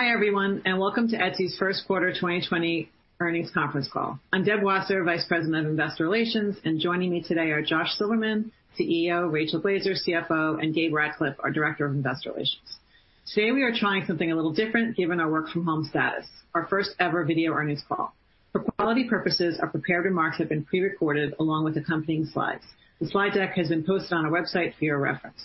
Hi, everyone, and welcome to Etsy's first quarter 2020 earnings conference call. I'm Deb Wasser, Vice President of Investor Relations, and joining me today are Josh Silverman, CEO, Rachel Glaser, CFO, and Gabe Ratcliff, our Director of Investor Relations. Today, we are trying something a little different given our work from home status, our first ever video earnings call. For quality purposes, our prepared remarks have been pre-recorded along with accompanying slides. The slide deck has been posted on our website for your reference.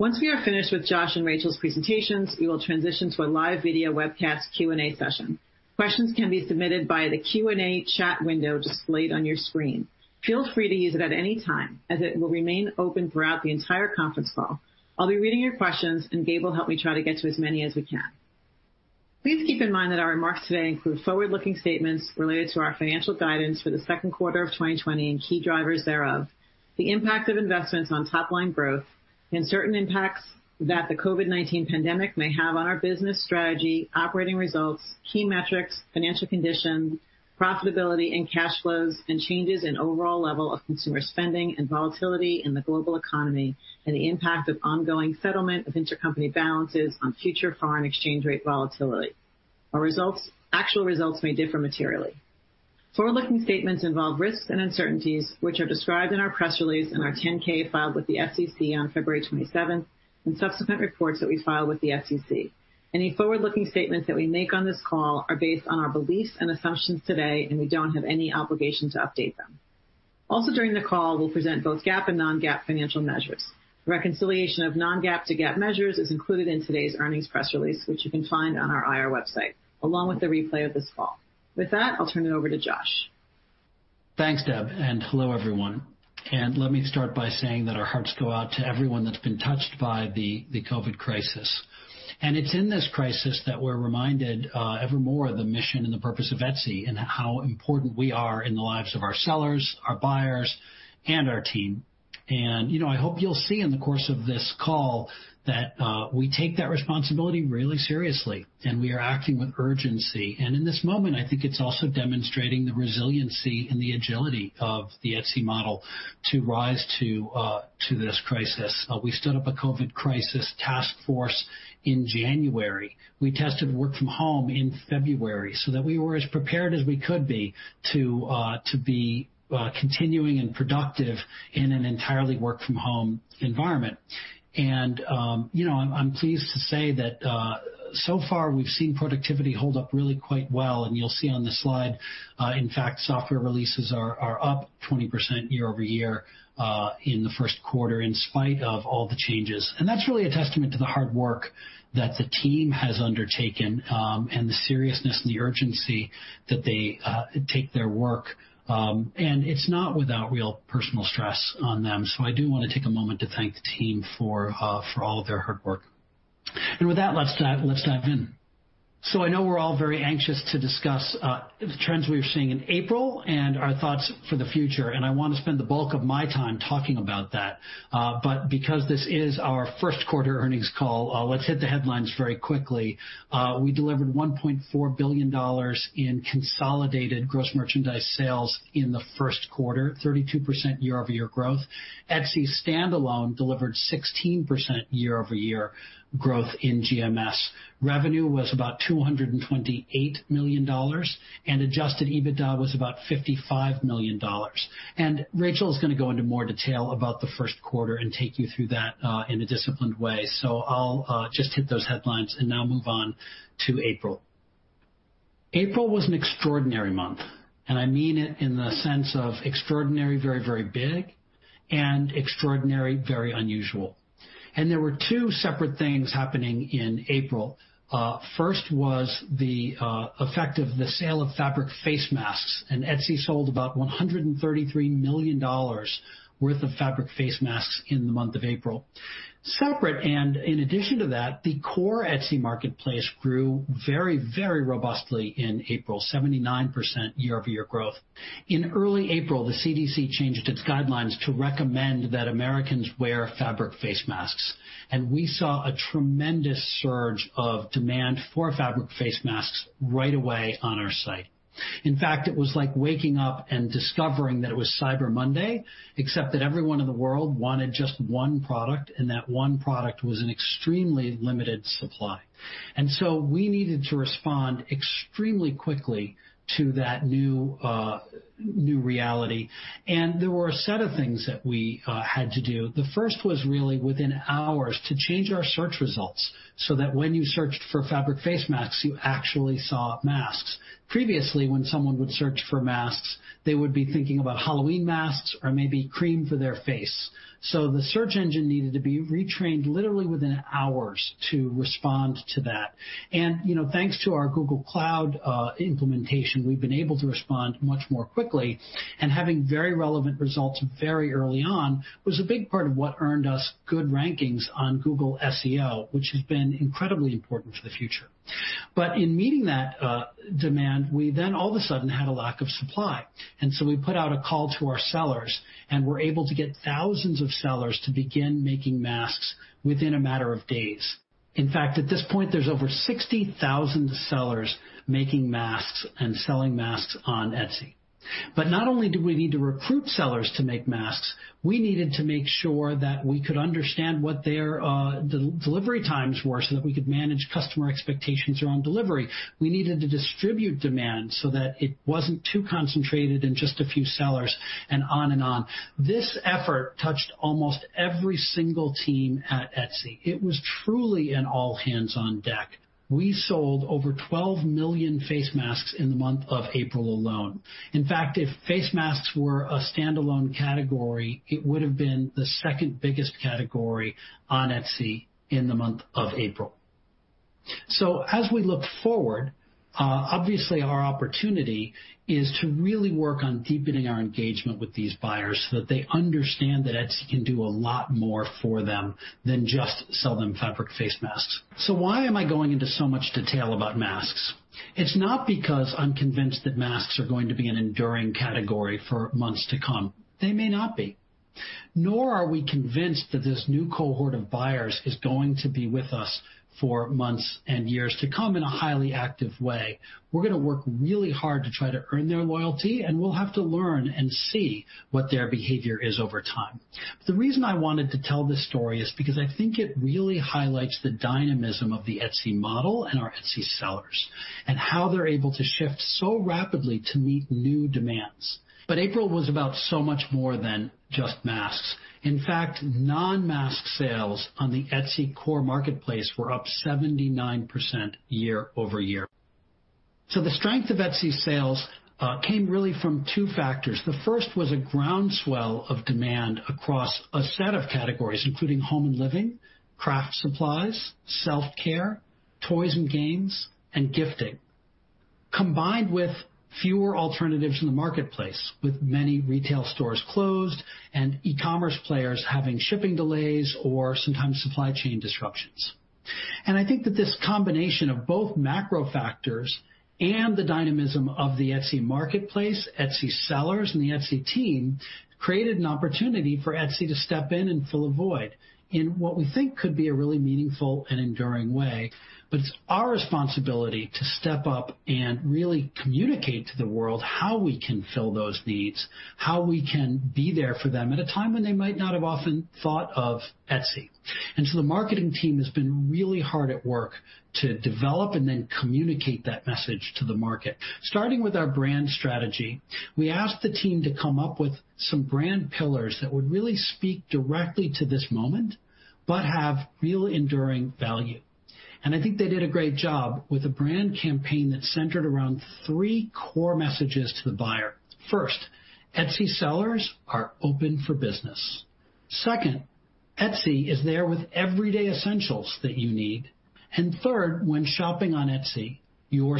Once we are finished with Josh and Rachel's presentations, we will transition to a live video webcast Q&A session. Questions can be submitted by the Q&A chat window displayed on your screen. Feel free to use it at any time, as it will remain open throughout the entire conference call. I'll be reading your questions, and Gabe will help me try to get to as many as we can. Please keep in mind that our remarks today include forward-looking statements related to our financial guidance for the second quarter of 2020 and key drivers thereof, the impact of investments on top-line growth, and certain impacts that the COVID-19 pandemic may have on our business strategy, operating results, key metrics, financial condition, profitability and cash flows, and changes in overall level of consumer spending and volatility in the global economy, and the impact of ongoing settlement of intercompany balances on future foreign exchange rate volatility. Our actual results may differ materially. Forward-looking statements involve risks and uncertainties, which are described in our press release and our 10-K filed with the SEC on February 27, and subsequent reports that we file with the SEC. Any forward-looking statements that we make on this call are based on our beliefs and assumptions today, and we don't have any obligation to update them. Also during the call, we'll present both GAAP and non-GAAP financial measures. Reconciliation of non-GAAP to GAAP measures is included in today's earnings press release, which you can find on our IR website, along with the replay of this call. With that, I'll turn it over to Josh. Thanks, Deb, hello, everyone. Let me start by saying that our hearts go out to everyone that's been touched by the COVID crisis. It's in this crisis that we're reminded ever more of the mission and the purpose of Etsy and how important we are in the lives of our sellers, our buyers, and our team. I hope you'll see in the course of this call that we take that responsibility really seriously, and we are acting with urgency. In this moment, I think it's also demonstrating the resiliency and the agility of the Etsy model to rise to this crisis. We stood up a COVID crisis task force in January. We tested work from home in February so that we were as prepared as we could be to be continuing and productive in an entirely work from home environment. I'm pleased to say that so far we've seen productivity hold up really quite well, and you'll see on this slide, in fact, software releases are up 20% year-over-year in the first quarter in spite of all the changes. That's really a testament to the hard work that the team has undertaken, and the seriousness and the urgency that they take their work. It's not without real personal stress on them, so I do want to take a moment to thank the team for all of their hard work. With that, let's dive in. I know we're all very anxious to discuss the trends we're seeing in April and our thoughts for the future, and I want to spend the bulk of my time talking about that. Because this is our first quarter earnings call, let's hit the headlines very quickly. We delivered $1.4 billion in consolidated gross merchandise sales in the first quarter, 32% year-over-year growth. Etsy standalone delivered 16% year-over-year growth in GMS. Revenue was about $228 million, and adjusted EBITDA was about $55 million. Rachel's going to go into more detail about the first quarter and take you through that in a disciplined way. I'll just hit those headlines and now move on to April. April was an extraordinary month, and I mean it in the sense of extraordinary, very, very big, and extraordinary, very unusual. There were two separate things happening in April. First was the effect of the sale of fabric face masks, and Etsy sold about $133 million worth of fabric face masks in the month of April. Separate in addition to that, the core Etsy marketplace grew very, very robustly in April, 79% year-over-year growth. In early April, the CDC changed its guidelines to recommend that Americans wear fabric face masks. We saw a tremendous surge of demand for fabric face masks right away on our site. In fact, it was like waking up and discovering that it was Cyber Monday, except that everyone in the world wanted just one product, and that one product was in extremely limited supply. We needed to respond extremely quickly to that new reality. There were a set of things that we had to do. The first was really within hours to change our search results, so that when you searched for fabric face masks, you actually saw masks. Previously, when someone would search for masks, they would be thinking about Halloween masks or maybe cream for their face. The search engine needed to be retrained literally within hours to respond to that. Thanks to our Google Cloud implementation, we've been able to respond much more quickly, and having very relevant results very early on was a big part of what earned us good rankings on Google SEO, which has been incredibly important for the future. In meeting that demand, we then all of a sudden had a lack of supply. We put out a call to our sellers and were able to get thousands of sellers to begin making masks within a matter of days. In fact, at this point, there's over 60,000 sellers making masks and selling masks on Etsy. Not only do we need to recruit sellers to make masks, we needed to make sure that we could understand what their delivery times were, so that we could manage customer expectations around delivery. We needed to distribute demand so that it wasn't too concentrated in just a few sellers, and on and on. This effort touched almost every single team at Etsy. It was truly an all hands on deck. We sold over 12 million face masks in the month of April alone. In fact, if face masks were a standalone category, it would've been the second biggest category on Etsy in the month of April. As we look forward, obviously, our opportunity is to really work on deepening our engagement with these buyers so that they understand that Etsy can do a lot more for them than just sell them fabric face masks. Why am I going into so much detail about masks? It's not because I'm convinced that masks are going to be an enduring category for months to come. They may not be. Nor are we convinced that this new cohort of buyers is going to be with us for months and years to come in a highly active way. We're going to work really hard to try to earn their loyalty, and we'll have to learn and see what their behavior is over time. The reason I wanted to tell this story is because I think it really highlights the dynamism of the Etsy model and our Etsy sellers, and how they're able to shift so rapidly to meet new demands. April was about so much more than just masks. In fact, non-mask sales on the Etsy core marketplace were up 79% year-over-year. The strength of Etsy sales came really from two factors. The first was a groundswell of demand across a set of categories, including home and living, craft supplies, self-care, toys and games, and gifting, combined with fewer alternatives in the marketplace, with many retail stores closed and e-commerce players having shipping delays or sometimes supply chain disruptions. I think that this combination of both macro factors and the dynamism of the Etsy marketplace, Etsy sellers, and the Etsy team, created an opportunity for Etsy to step in and fill a void in what we think could be a really meaningful and enduring way. It's our responsibility to step up and really communicate to the world how we can fill those needs, how we can be there for them at a time when they might not have often thought of Etsy. The marketing team has been really hard at work to develop and then communicate that message to the market. Starting with our brand strategy, we asked the team to come up with some brand pillars that would really speak directly to this moment, but have real enduring value. I think they did a great job with a brand campaign that's centered around three core messages to the buyer. First, Etsy sellers are open for business. Second, Etsy is there with everyday essentials that you need. Third, when shopping on Etsy, you're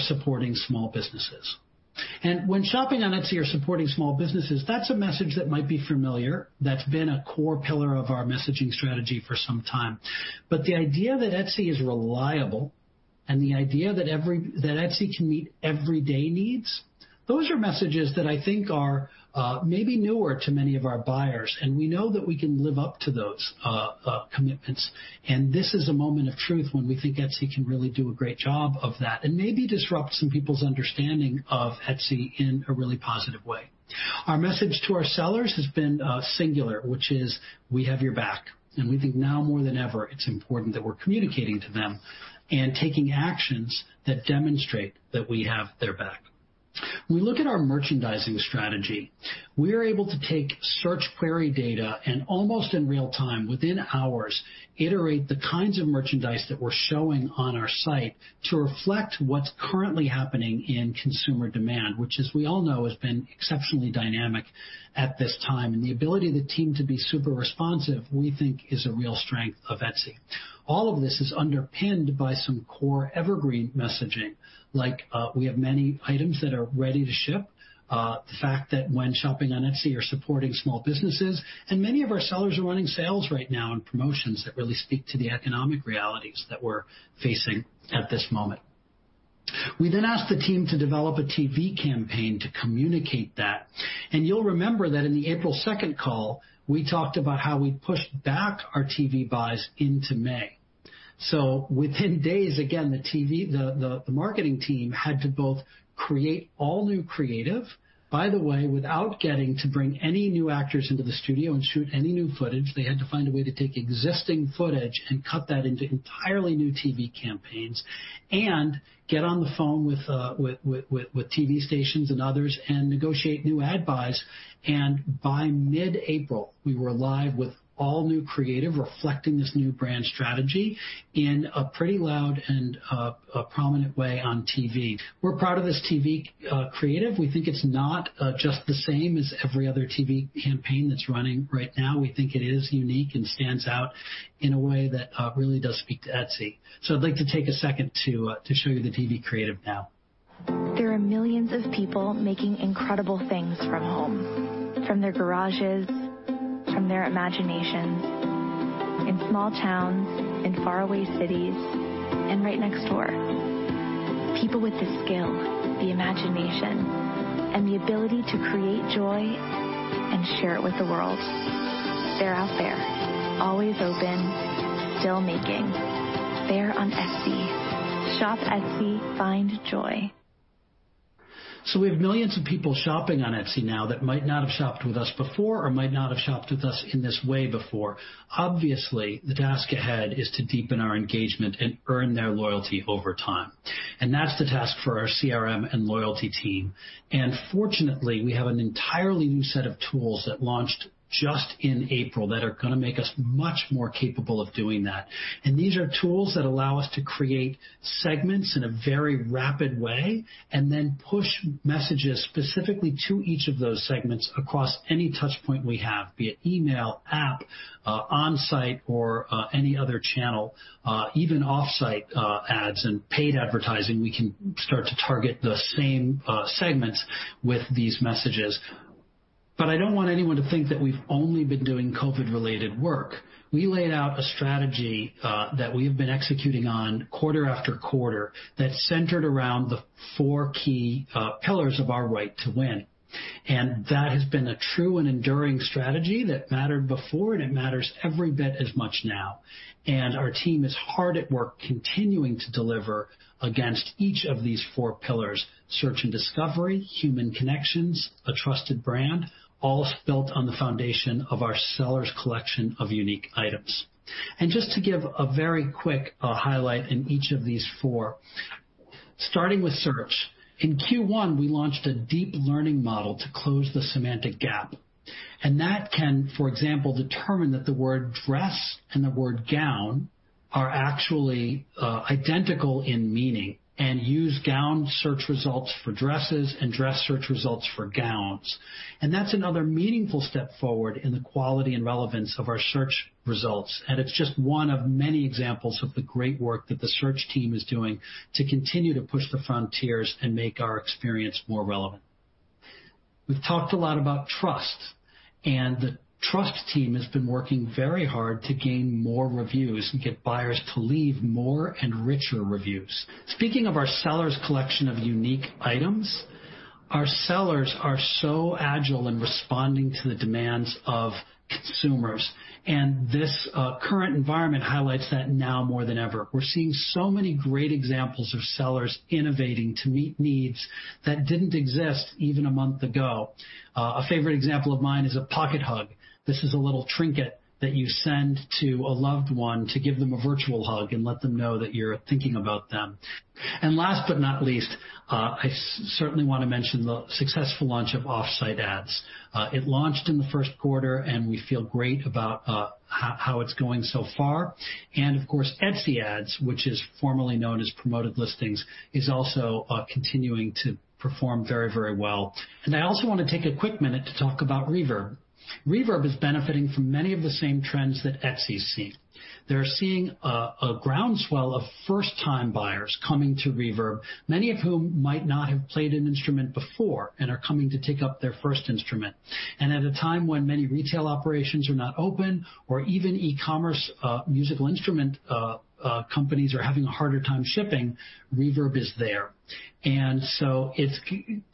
supporting small businesses. That's a message that might be familiar, that's been a core pillar of our messaging strategy for some time. The idea that Etsy is reliable and the idea that Etsy can meet everyday needs, those are messages that I think are maybe newer to many of our buyers, and we know that we can live up to those commitments. This is a moment of truth when we think Etsy can really do a great job of that and maybe disrupt some people's understanding of Etsy in a really positive way. Our message to our sellers has been singular, which is, we have your back, and we think now more than ever, it's important that we're communicating to them and taking actions that demonstrate that we have their back. When we look at our merchandising strategy, we are able to take search query data and almost in real time, within hours, iterate the kinds of merchandise that we're showing on our site to reflect what's currently happening in consumer demand, which, as we all know, has been exceptionally dynamic at this time, and the ability of the team to be super responsive, we think, is a real strength of Etsy. All of this is underpinned by some core evergreen messaging, like we have many items that are ready to ship, the fact that when shopping on Etsy, you're supporting small businesses, and many of our sellers are running sales right now and promotions that really speak to the economic realities that we're facing at this moment. We then asked the team to develop a TV campaign to communicate that. You'll remember that in the April 2nd call, we talked about how we pushed back our TV buys into May. Within days, again, the marketing team had to both create all new creative, by the way, without getting to bring any new actors into the studio and shoot any new footage. They had to find a way to take existing footage and cut that into entirely new TV campaigns and get on the phone with TV stations and others and negotiate new ad buys. By mid-April, we were live with all new creative, reflecting this new brand strategy in a pretty loud and prominent way on TV. We're proud of this TV creative. We think it's not just the same as every other TV campaign that's running right now. We think it is unique and stands out in a way that really does speak to Etsy. I'd like to take a second to show you the TV creative now. There are millions of people making incredible things from home, from their garages, from their imaginations, in small towns, in faraway cities, and right next door. People with the skill, the imagination, and the ability to create joyShare it with the world. They're out there, always open, still making. They're on Etsy. Shop Etsy, find joy. We have millions of people shopping on Etsy now that might not have shopped with us before or might not have shopped with us in this way before. Obviously, the task ahead is to deepen our engagement and earn their loyalty over time, and that's the task for our CRM and loyalty team. Fortunately, we have an entirely new set of tools that launched just in April that are going to make us much more capable of doing that. These are tools that allow us to create segments in a very rapid way and then push messages specifically to each of those segments across any touch point we have, be it email, app, on-site, or any other channel, even Offsite Ads and paid advertising, we can start to target the same segments with these messages. I don't want anyone to think that we've only been doing COVID-19-related work. We laid out a strategy that we have been executing on quarter after quarter that's centered around the four key pillars of our right to win. That has been a true and enduring strategy that mattered before, and it matters every bit as much now. Our team is hard at work continuing to deliver against each of these four pillars: search and discovery, human connections, a trusted brand, all built on the foundation of our sellers' collection of unique items. Just to give a very quick highlight in each of these four, starting with search. In Q1, we launched a deep learning model to close the semantic gap, and that can, for example, determine that the word dress and the word gown are actually identical in meaning and use gown search results for dresses and dress search results for gowns. That's another meaningful step forward in the quality and relevance of our search results, and it's just one of many examples of the great work that the search team is doing to continue to push the frontiers and make our experience more relevant. We've talked a lot about trust, and the trust team has been working very hard to gain more reviews and get buyers to leave more and richer reviews. Speaking of our sellers' collection of unique items, our sellers are so agile in responding to the demands of consumers, and this current environment highlights that now more than ever. We're seeing so many great examples of sellers innovating to meet needs that didn't exist even a month ago. A favorite example of mine is a pocket hug. This is a little trinket that you send to a loved one to give them a virtual hug and let them know that you're thinking about them. Last but not least, I certainly want to mention the successful launch of off-site ads. It launched in the first quarter, and we feel great about how it's going so far. Of course, Etsy Ads, which is formerly known as Promoted Listings, is also continuing to perform very well. I also want to take a quick minute to talk about Reverb. Reverb is benefiting from many of the same trends that Etsy's seen. They're seeing a groundswell of first-time buyers coming to Reverb, many of whom might not have played an instrument before and are coming to take up their first instrument. At a time when many retail operations are not open or even e-commerce musical instrument companies are having a harder time shipping, Reverb is there. It's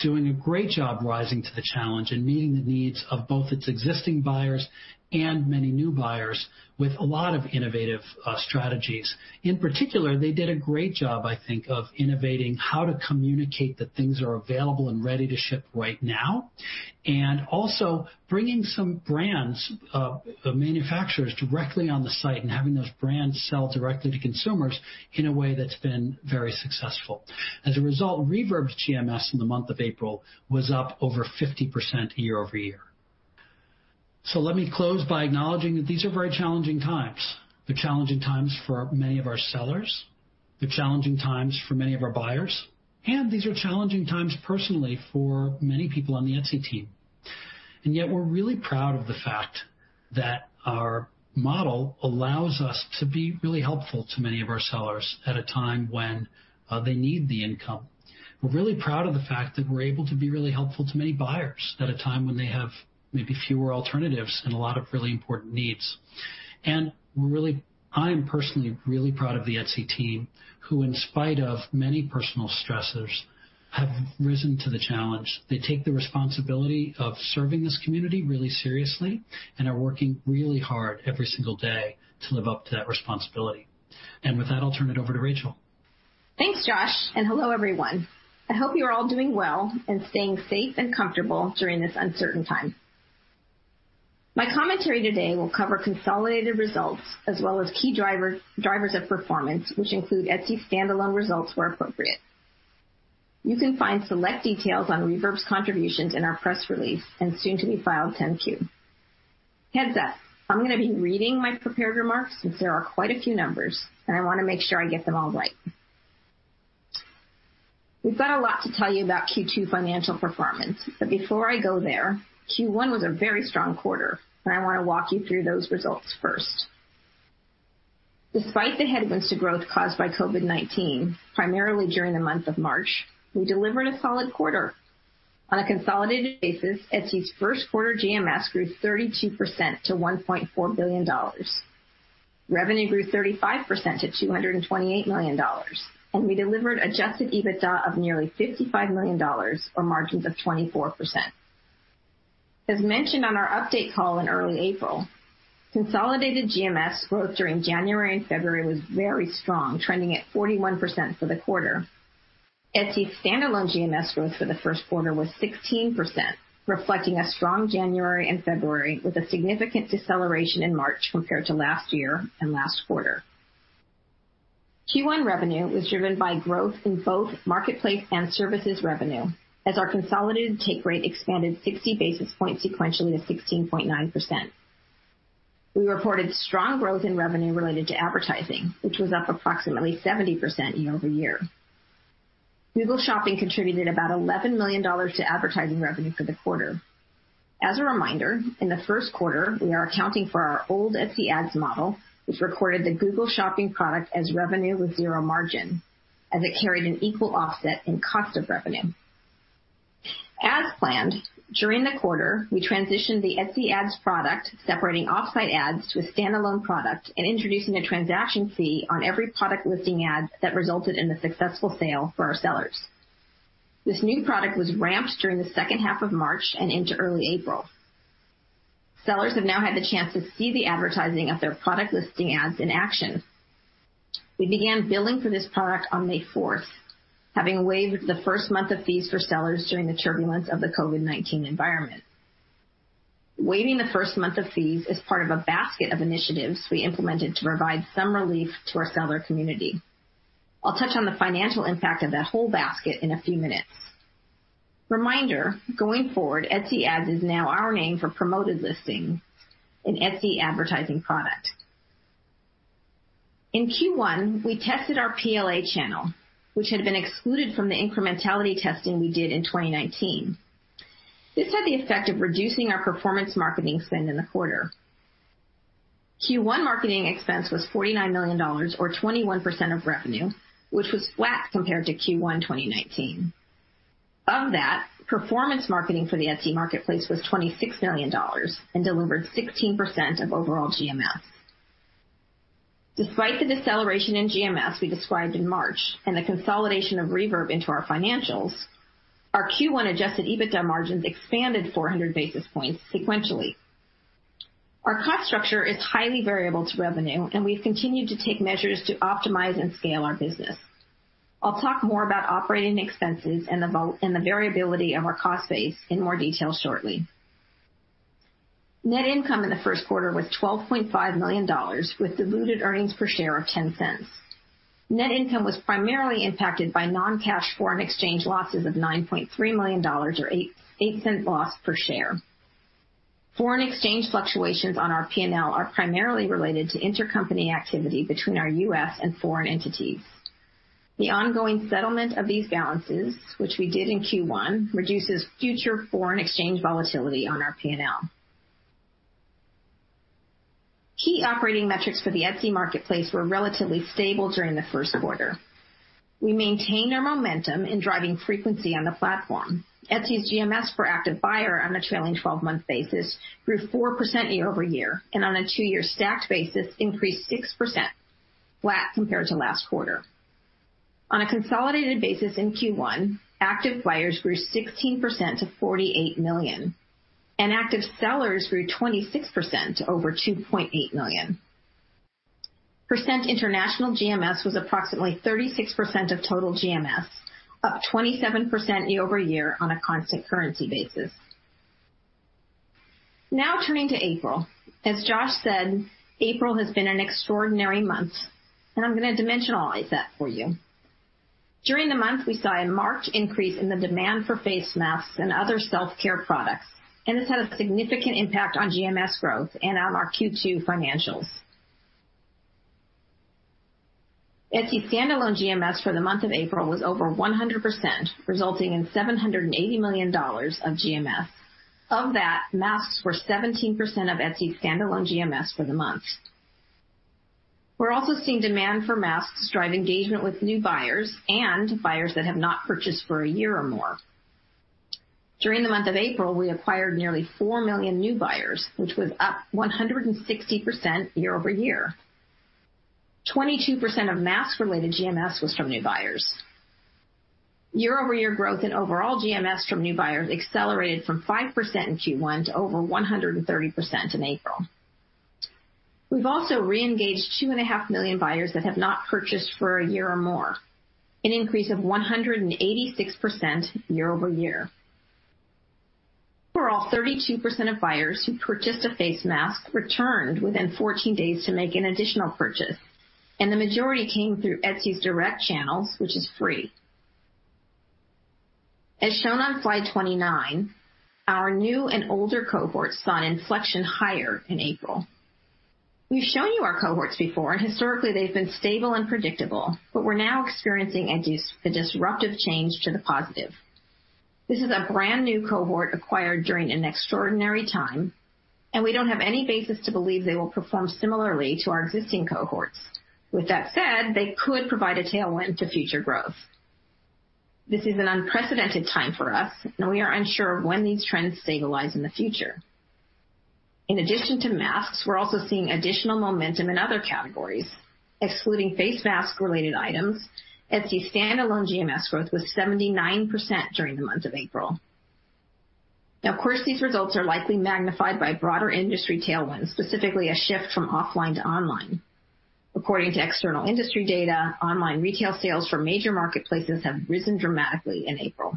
doing a great job rising to the challenge and meeting the needs of both its existing buyers and many new buyers with a lot of innovative strategies. In particular, they did a great job, I think, of innovating how to communicate that things are available and ready to ship right now, and also bringing some brands, manufacturers directly on the site and having those brands sell directly to consumers in a way that's been very successful. As a result, Reverb's GMS in the month of April was up over 50% year-over-year. Let me close by acknowledging that these are very challenging times. They're challenging times for many of our sellers. They're challenging times for many of our buyers, and these are challenging times personally for many people on the Etsy team. Yet we're really proud of the fact that our model allows us to be really helpful to many of our sellers at a time when they need the income. We're really proud of the fact that we're able to be really helpful to many buyers at a time when they have maybe fewer alternatives and a lot of really important needs. I am personally really proud of the Etsy team, who, in spite of many personal stressors, have risen to the challenge. They take the responsibility of serving this community really seriously and are working really hard every single day to live up to that responsibility. With that, I'll turn it over to Rachel. Thanks, Josh. Hello, everyone. I hope you are all doing well and staying safe and comfortable during this uncertain time. My commentary today will cover consolidated results as well as key drivers of performance, which include Etsy standalone results where appropriate. You can find select details on Reverb's contributions in our press release and soon-to-be-filed 10-Q. Heads up, I'm going to be reading my prepared remarks since there are quite a few numbers, and I want to make sure I get them all right. We've got a lot to tell you about Q2 financial performance, but before I go there, Q1 was a very strong quarter, and I want to walk you through those results first. Despite the headwinds to growth caused by COVID-19, primarily during the month of March, we delivered a solid quarter. On a consolidated basis, Etsy's first quarter GMS grew 32% to $1.4 billion. Revenue grew 35% to $228 million, and we delivered adjusted EBITDA of nearly $55 million, or margins of 24%. As mentioned on our update call in early April, consolidated GMS growth during January and February was very strong, trending at 41% for the quarter. Etsy standalone GMS growth for the first quarter was 16%, reflecting a strong January and February with a significant deceleration in March compared to last year and last quarter. Q1 revenue was driven by growth in both marketplace and services revenue, as our consolidated take rate expanded 60 basis points sequentially to 16.9%. We reported strong growth in revenue related to advertising, which was up approximately 70% year-over-year. Google Shopping contributed about $11 million to advertising revenue for the quarter. As a reminder, in the first quarter, we are accounting for our old Etsy Ads model, which recorded the Google Shopping product as revenue with zero margin, as it carried an equal offset in cost of revenue. As planned, during the quarter, we transitioned the Etsy Ads product, separating Offsite Ads to a standalone product and introducing a transaction fee on every product listing ad that resulted in a successful sale for our sellers. This new product was ramped during the second half of March and into early April. Sellers have now had the chance to see the advertising of their product listing ads in action. We began billing for this product on May 4th, having waived the first month of fees for sellers during the turbulence of the COVID-19 environment. Waiving the first month of fees is part of a basket of initiatives we implemented to provide some relief to our seller community. I'll touch on the financial impact of that whole basket in a few minutes. Reminder, going forward, Etsy Ads is now our name for Promoted Listings, an Etsy advertising product. In Q1, we tested our PLA channel, which had been excluded from the incrementality testing we did in 2019. This had the effect of reducing our performance marketing spend in the quarter. Q1 marketing expense was $49 million, or 21% of revenue, which was flat compared to Q1 2019. Of that, performance marketing for the Etsy marketplace was $26 million and delivered 16% of overall GMS. Despite the deceleration in GMS we described in March and the consolidation of Reverb into our financials, our Q1 adjusted EBITDA margins expanded 400 basis points sequentially. Our cost structure is highly variable to revenue, and we've continued to take measures to optimize and scale our business. I'll talk more about operating expenses and the variability of our cost base in more detail shortly. Net income in the first quarter was $12.5 million, with diluted earnings per share of $0.10. Net income was primarily impacted by non-cash foreign exchange losses of $9.3 million, or $0.08 loss per share. Foreign exchange fluctuations on our P&L are primarily related to intercompany activity between our U.S. and foreign entities. The ongoing settlement of these balances, which we did in Q1, reduces future foreign exchange volatility on our P&L. Key operating metrics for the Etsy marketplace were relatively stable during the first quarter. We maintained our momentum in driving frequency on the platform. Etsy's GMS per active buyer on a trailing 12-month basis grew 4% year-over-year, and on a two-year stacked basis, increased 6%, flat compared to last quarter. On a consolidated basis in Q1, active buyers grew 16% to 48 million, and active sellers grew 26% to over 2.8 million. Percent international GMS was approximately 36% of total GMS, up 27% year-over-year on a constant currency basis. Turning to April. As Josh said, April has been an extraordinary month, and I'm going to dimensionalize that for you. During the month, we saw a marked increase in the demand for face masks and other self-care products, and this had a significant impact on GMS growth and on our Q2 financials. Etsy standalone GMS for the month of April was over 100%, resulting in $780 million of GMS. Of that, masks were 17% of Etsy standalone GMS for the month. We're also seeing demand for masks drive engagement with new buyers and buyers that have not purchased for a year or more. During the month of April, we acquired nearly 4 million new buyers, which was up 160% year-over-year. 22% of mask-related GMS was from new buyers. Year-over-year growth in overall GMS from new buyers accelerated from 5% in Q1 to over 130% in April. We've also reengaged 2.5 million buyers that have not purchased for a year or more, an increase of 186% year-over-year. Overall, 32% of buyers who purchased a face mask returned within 14 days to make an additional purchase, and the majority came through Etsy's direct channels, which is free. As shown on slide 29, our new and older cohorts saw an inflection higher in April. We've shown you our cohorts before, and historically, they've been stable and predictable, but we're now experiencing a disruptive change to the positive. This is a brand-new cohort acquired during an extraordinary time, and we don't have any basis to believe they will perform similarly to our existing cohorts. With that said, they could provide a tailwind to future growth. This is an unprecedented time for us, and we are unsure of when these trends stabilize in the future. In addition to masks, we're also seeing additional momentum in other categories. Excluding face mask-related items, Etsy standalone GMS growth was 79% during the month of April. Now, of course, these results are likely magnified by broader industry tailwinds, specifically a shift from offline to online. According to external industry data, online retail sales for major marketplaces have risen dramatically in April.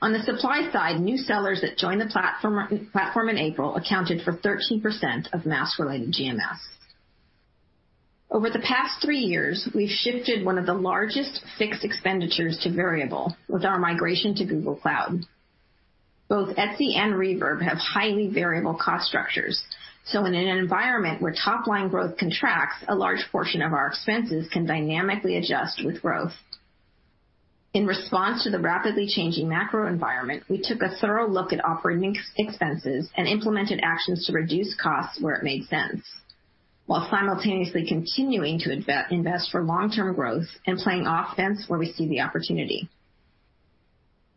On the supply side, new sellers that joined the platform in April accounted for 13% of mask-related GMS. Over the past three years, we've shifted one of the largest fixed expenditures to variable with our migration to Google Cloud. Both Etsy and Reverb have highly variable cost structures, so in an environment where top-line growth contracts, a large portion of our expenses can dynamically adjust with growth. In response to the rapidly changing macro environment, we took a thorough look at operating expenses and implemented actions to reduce costs where it made sense while simultaneously continuing to invest for long-term growth and playing offense where we see the opportunity.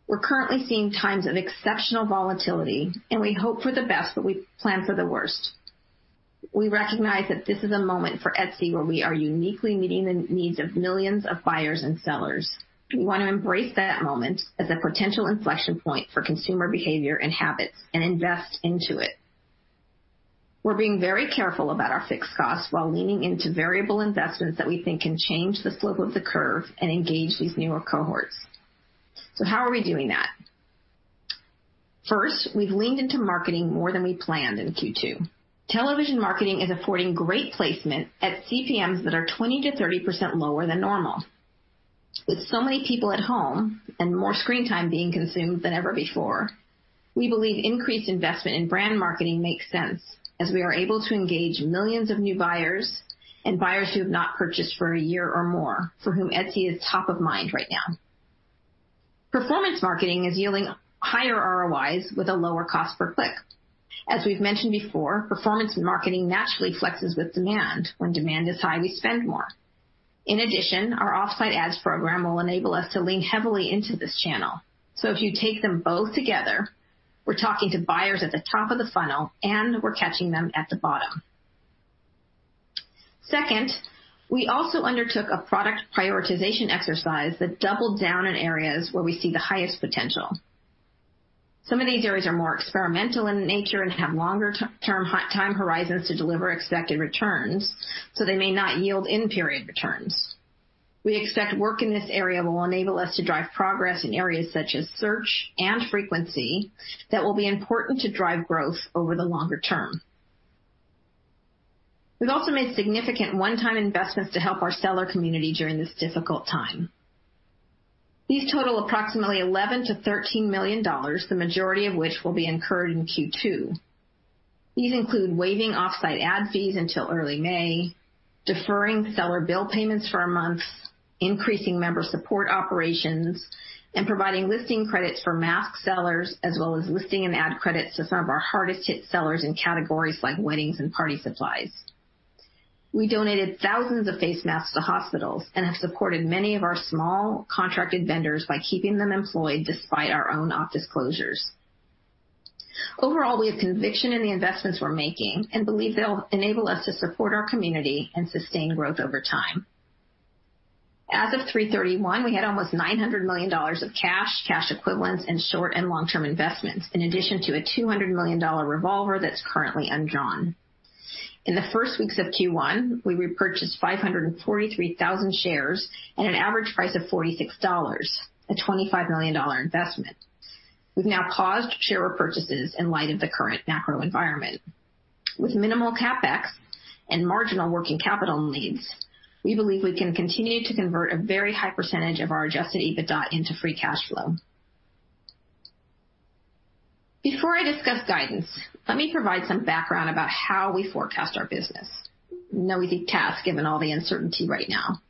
We're currently seeing times of exceptional volatility, and we hope for the best, but we plan for the worst. We recognize that this is a moment for Etsy where we are uniquely meeting the needs of millions of buyers and sellers. We want to embrace that moment as a potential inflection point for consumer behavior and habits and invest into it. We're being very careful about our fixed costs while leaning into variable investments that we think can change the slope of the curve and engage these newer cohorts. How are we doing that? First, we've leaned into marketing more than we planned in Q2. Television marketing is affording great placement at CPMs that are 20%-30% lower than normal. With so many people at home and more screen time being consumed than ever before, we believe increased investment in brand marketing makes sense as we are able to engage millions of new buyers and buyers who have not purchased for a year or more for whom Etsy is top of mind right now. Performance marketing is yielding higher ROIs with a lower cost per click. As we've mentioned before, performance in marketing naturally flexes with demand. When demand is high, we spend more. In addition, our off-site ads program will enable us to lean heavily into this channel. If you take them both together, we're talking to buyers at the top of the funnel, and we're catching them at the bottom. Second, we also undertook a product prioritization exercise that doubled down in areas where we see the highest potential. Some of these areas are more experimental in nature and have longer time horizons to deliver expected returns, so they may not yield in-period returns. We expect work in this area will enable us to drive progress in areas such as search and frequency that will be important to drive growth over the longer term. We've also made significant one-time investments to help our seller community during this difficult time. These total approximately $11 million-$13 million, the majority of which will be incurred in Q2. These include waiving off-site ad fees until early May, deferring seller bill payments for a month, increasing member support operations, and providing listing credits for mask sellers, as well as listing and ad credits to some of our hardest-hit sellers in categories like weddings and party supplies. We donated thousands of face masks to hospitals and have supported many of our small contracted vendors by keeping them employed despite our own office closures. Overall, we have conviction in the investments we're making and believe they'll enable us to support our community and sustain growth over time. As of 3/31, we had almost $900 million of cash equivalents, and short and long-term investments, in addition to a $200 million revolver that's currently undrawn. In the first weeks of Q1, we repurchased 543,000 shares at an average price of $46, a $25 million investment. We've now paused share repurchases in light of the current macro environment. With minimal CapEx and marginal working capital needs, we believe we can continue to convert a very high percentage of our adjusted EBITDA into free cash flow. Before I discuss guidance, let me provide some background about how we forecast our business. No easy task given all the uncertainty right now.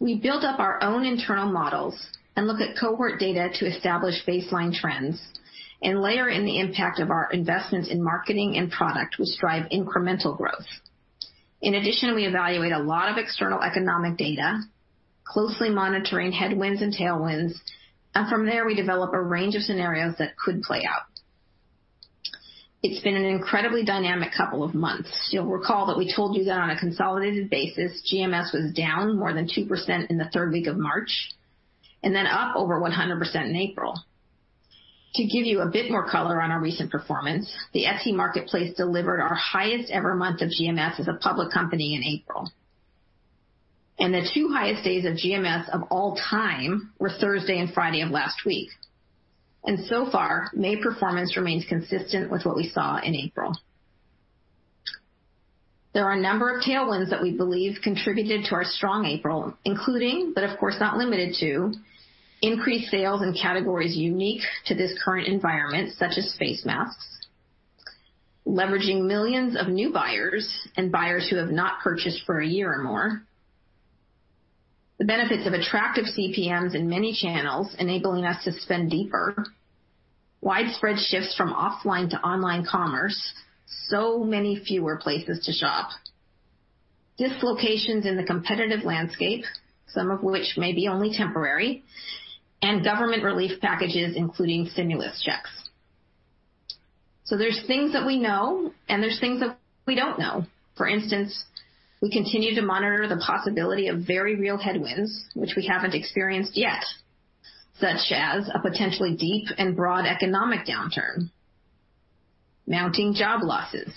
We build up our own internal models and look at cohort data to establish baseline trends and layer in the impact of our investments in marketing and product, which drive incremental growth. We evaluate a lot of external economic data, closely monitoring headwinds and tailwinds, and from there, we develop a range of scenarios that could play out. It's been an incredibly dynamic couple of months. You'll recall that we told you that on a consolidated basis, GMS was down more than 2% in the third week of March and up over 100% in April. To give you a bit more color on our recent performance, the Etsy marketplace delivered our highest ever month of GMS as a public company in April. The two highest days of GMS of all time were Thursday and Friday of last week. So far, May performance remains consistent with what we saw in April. There are a number of tailwinds that we believe contributed to our strong April, including, but of course not limited to, increased sales in categories unique to this current environment, such as face masks, leveraging millions of new buyers and buyers who have not purchased for a year or more, the benefits of attractive CPMs in many channels enabling us to spend deeper, widespread shifts from offline to online commerce, so many fewer places to shop, dislocations in the competitive landscape, some of which may be only temporary, and government relief packages, including stimulus checks. There's things that we know, and there's things that we don't know. For instance, we continue to monitor the possibility of very real headwinds, which we haven't experienced yet, such as a potentially deep and broad economic downturn, mounting job losses,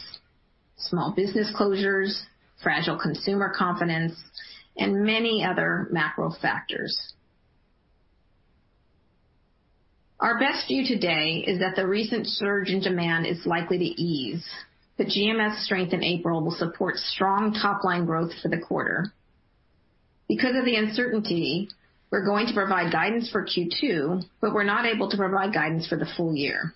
small business closures, fragile consumer confidence, and many other macro factors. Our best view today is that the recent surge in demand is likely to ease, but GMS strength in April will support strong top-line growth for the quarter. Because of the uncertainty, we're going to provide guidance for Q2, but we're not able to provide guidance for the full year.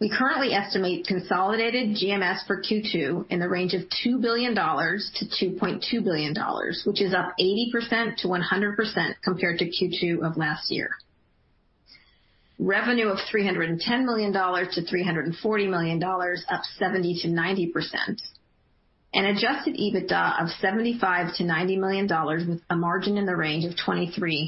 We currently estimate consolidated GMS for Q2 in the range of $2 billion-$2.2 billion, which is up 80%-100% compared to Q2 of last year. Revenue of $310 million-$340 million, up 70%-90%, and adjusted EBITDA of $75 million-$90 million, with a margin in the range of 23%-27%.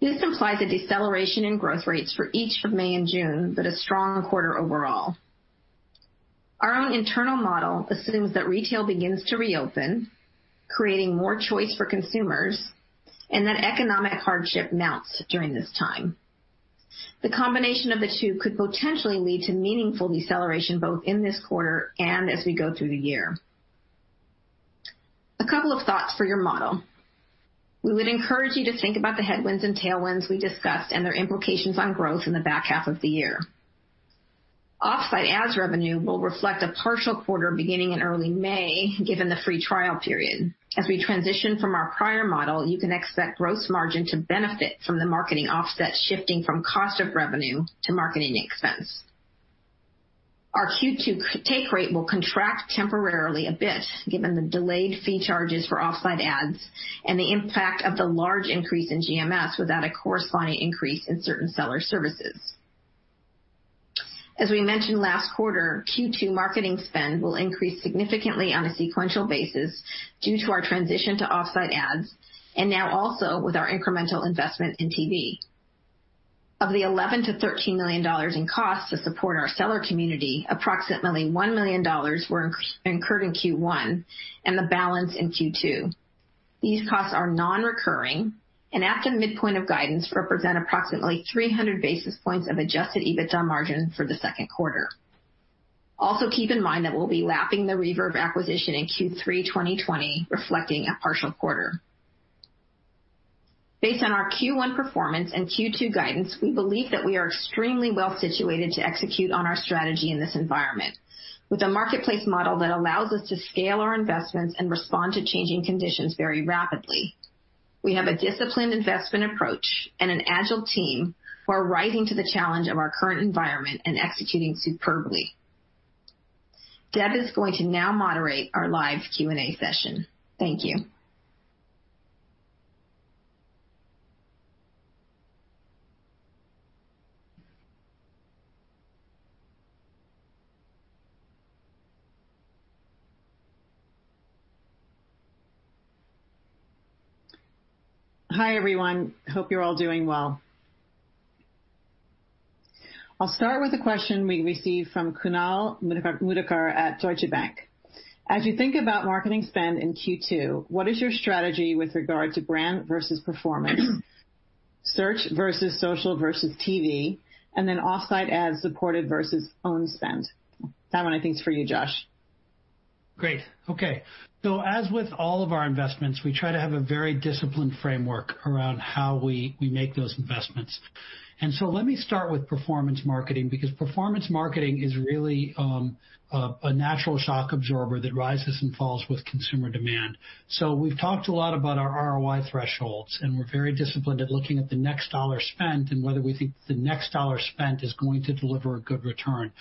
This implies a deceleration in growth rates for each of May and June, but a strong quarter overall. Our own internal model assumes that retail begins to reopen, creating more choice for consumers, and that economic hardship mounts during this time. The combination of the two could potentially lead to meaningful deceleration, both in this quarter and as we go through the year. A couple of thoughts for your model. We would encourage you to think about the headwinds and tailwinds we discussed and their implications on growth in the back half of the year. Offsite Ads revenue will reflect a partial quarter beginning in early May, given the free trial period. As we transition from our prior model, you can expect gross margin to benefit from the marketing offset shifting from cost of revenue to marketing expense. Our Q2 take rate will contract temporarily a bit, given the delayed fee charges for Offsite Ads and the impact of the large increase in GMS without a corresponding increase in certain seller services. As we mentioned last quarter, Q2 marketing spend will increase significantly on a sequential basis due to our transition to Offsite Ads, and now also with our incremental investment in TV. Of the $11 million-$13 million in costs to support our seller community, approximately $1 million were incurred in Q1 and the balance in Q2. These costs are non-recurring, and after the midpoint of guidance, represent approximately 300 basis points of adjusted EBITDA margin for the second quarter. Also, keep in mind that we'll be lapping the Reverb acquisition in Q3 2020, reflecting a partial quarter. Based on our Q1 performance and Q2 guidance, we believe that we are extremely well-situated to execute on our strategy in this environment, with a marketplace model that allows us to scale our investments and respond to changing conditions very rapidly. We have a disciplined investment approach and an agile team who are rising to the challenge of our current environment and executing superbly. Deb is going to now moderate our live Q&A session. Thank you. Hi, everyone. Hope you're all doing well. I'll start with a question we received from Kunal Madhukar at Deutsche Bank. As you think about marketing spend in Q2, what is your strategy with regard to brand versus performance, search versus social versus TV, and then offsite ad supported versus own spend? That one I think is for you, Josh. Great. Okay. As with all of our investments, we try to have a very disciplined framework around how we make those investments. Let me start with performance marketing, because performance marketing is really a natural shock absorber that rises and falls with consumer demand. We've talked a lot about our ROI thresholds, and we're very disciplined at looking at the next dollar spent and whether we think the next dollar spent is going to deliver a good return.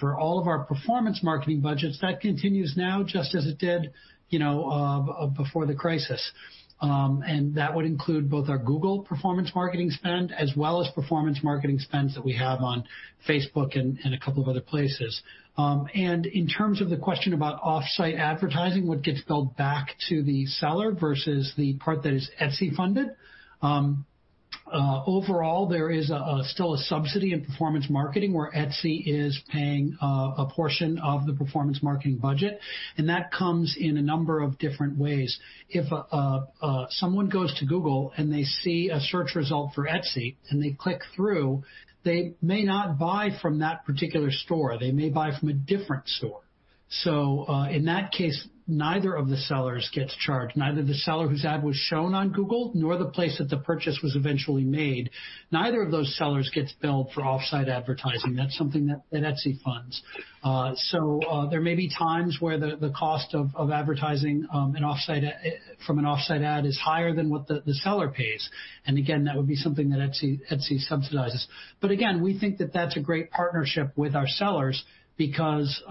For all of our performance marketing budgets, that continues now just as it did before the crisis. That would include both our Google performance marketing spend as well as performance marketing spends that we have on Facebook and a couple of other places. In terms of the question about offsite advertising, what gets billed back to the seller versus the part that is Etsy funded, overall, there is still a subsidy in performance marketing where Etsy is paying a portion of the performance marketing budget, and that comes in a number of different ways. If someone goes to Google and they see a search result for Etsy and they click through, they may not buy from that particular store. They may buy from a different store. In that case, neither of the sellers gets charged, neither the seller whose ad was shown on Google, nor the place that the purchase was eventually made. Neither of those sellers gets billed for offsite advertising. That's something that Etsy funds. There may be times where the cost of advertising from an offsite ad is higher than what the seller pays, and again, that would be something that Etsy subsidizes. Again, we think that that's a great partnership with our sellers because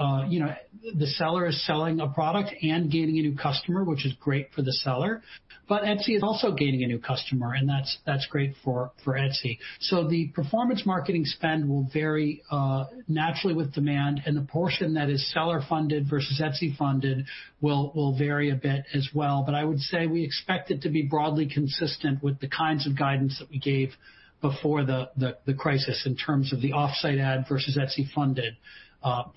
the seller is selling a product and gaining a new customer, which is great for the seller. Etsy is also gaining a new customer, and that's great for Etsy. The performance marketing spend will vary naturally with demand, and the portion that is seller funded versus Etsy funded will vary a bit as well. I would say we expect it to be broadly consistent with the kinds of guidance that we gave before the crisis in terms of the offsite ad versus Etsy funded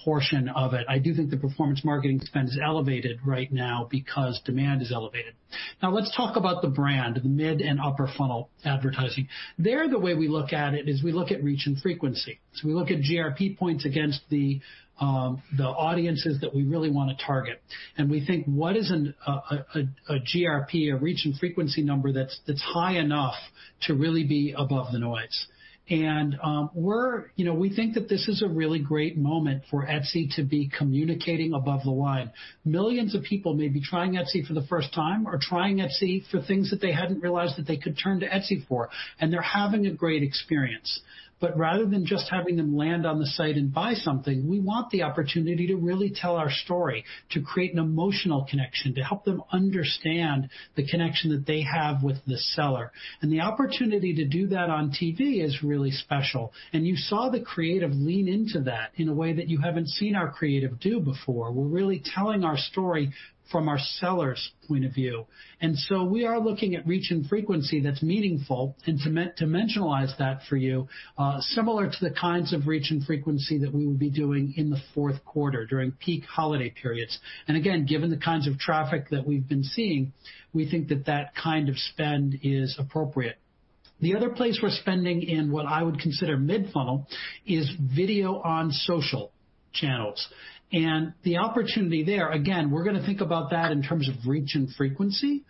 portion of it. I do think the performance marketing spend is elevated right now because demand is elevated. Now let's talk about the brand, the mid and upper funnel advertising. There, the way we look at it is we look at reach and frequency. We look at GRP points against the audiences that we really want to target, and we think what is a GRP, a reach and frequency number that's high enough to really be above the noise? We think that this is a really great moment for Etsy to be communicating above the line. Millions of people may be trying Etsy for the first time or trying Etsy for things that they hadn't realized that they could turn to Etsy for, and they're having a great experience. Rather than just having them land on the site and buy something, we want the opportunity to really tell our story, to create an emotional connection, to help them understand the connection that they have with the seller. The opportunity to do that on TV is really special. You saw the creative lean into that in a way that you haven't seen our creative do before. We're really telling our story from our sellers' point of view. We are looking at reach and frequency that's meaningful, and to dimensionalize that for you, similar to the kinds of reach and frequency that we would be doing in the fourth quarter during peak holiday periods. Again, given the kinds of traffic that we've been seeing, we think that that kind of spend is appropriate. The other place we're spending in what I would consider mid-funnel is video on social channels. The opportunity there, again, we're going to think about that in terms of reach and frequency.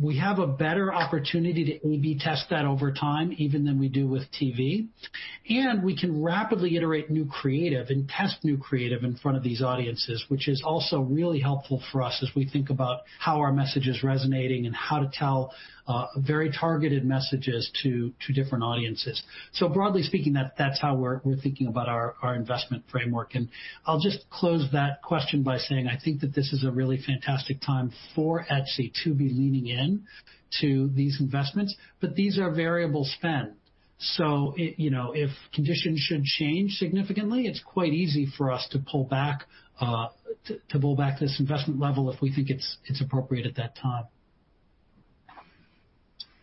We have a better opportunity to A/B test that over time, even than we do with TV, and we can rapidly iterate new creative and test new creative in front of these audiences, which is also really helpful for us as we think about how our message is resonating and how to tell very targeted messages to different audiences. Broadly speaking, that's how we're thinking about our investment framework. I'll just close that question by saying I think that this is a really fantastic time for Etsy to be leaning into these investments. These are variable spend, so if conditions should change significantly, it's quite easy for us to pull back this investment level if we think it's appropriate at that time.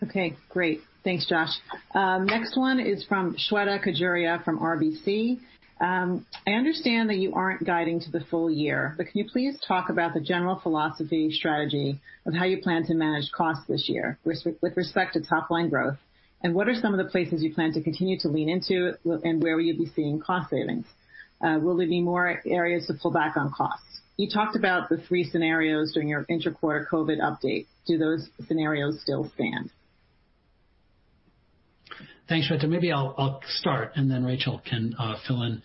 Okay, great. Thanks, Josh. Next one is from Shweta Khajuria from RBC. Can you please talk about the general philosophy strategy of how you plan to manage costs this year with respect to top-line growth, and what are some of the places you plan to continue to lean into and where will you be seeing cost savings? Will there be more areas to pull back on costs? You talked about the three scenarios during your inter-quarter COVID-19 update. Do those scenarios still stand? Thanks, Shweta. Maybe I'll start and then Rachel can fill in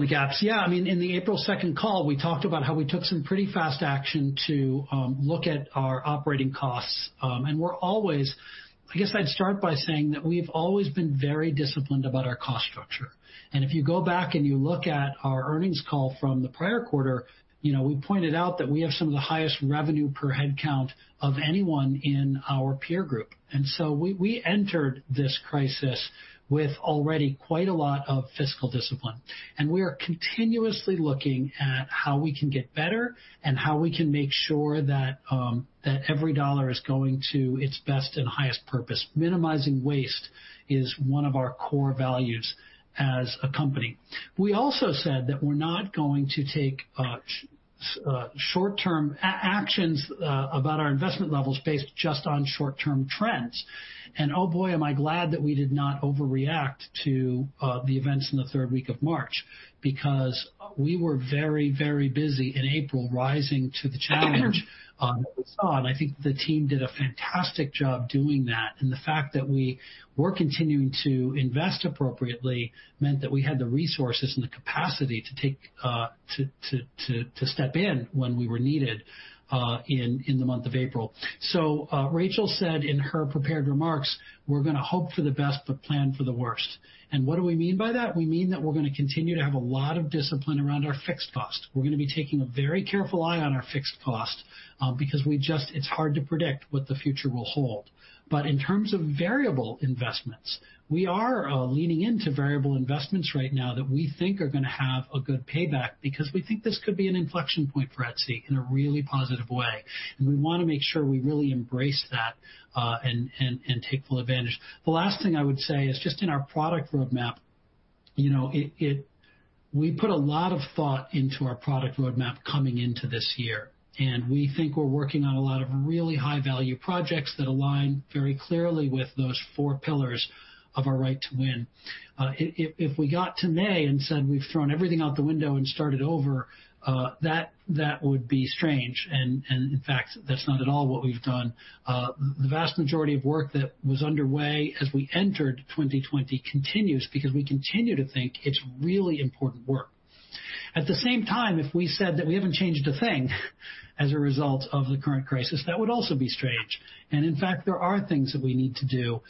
the gaps. Yeah, in the April 2nd call, we talked about how we took some pretty fast action to look at our operating costs. I guess I'd start by saying that we've always been very disciplined about our cost structure, and if you go back and you look at our earnings call from the prior quarter, we pointed out that we have some of the highest revenue per head count of anyone in our peer group. We entered this crisis with already quite a lot of fiscal discipline, and we are continuously looking at how we can get better and how we can make sure that every dollar is going to its best and highest purpose. Minimizing waste is one of our core values as a company. We also said that we're not going to take short-term actions about our investment levels based just on short-term trends. Oh boy, am I glad that we did not overreact to the events in the third week of March because we were very, very busy in April, rising to the challenge that we saw, and I think the team did a fantastic job doing that. The fact that we were continuing to invest appropriately meant that we had the resources and the capacity to step in when we were needed in the month of April. Rachel said in her prepared remarks, "We're going to hope for the best, but plan for the worst." What do we mean by that? We mean that we're going to continue to have a lot of discipline around our fixed cost. We're going to be taking a very careful eye on our fixed cost because it's hard to predict what the future will hold. In terms of variable investments, we are leaning into variable investments right now that we think are going to have a good payback because we think this could be an inflection point for Etsy in a really positive way, and we want to make sure we really embrace that, and take full advantage. The last thing I would say is just in our product roadmap, we put a lot of thought into our product roadmap coming into this year, and we think we're working on a lot of really high-value projects that align very clearly with those four pillars of our right to win. If we got to May and said we've thrown everything out the window and started over, that would be strange. In fact, that's not at all what we've done. The vast majority of work that was underway as we entered 2020 continues because we continue to think it's really important work. At the same time, if we said that we haven't changed a thing as a result of the current crisis, that would also be strange. In fact, there are things that we need to do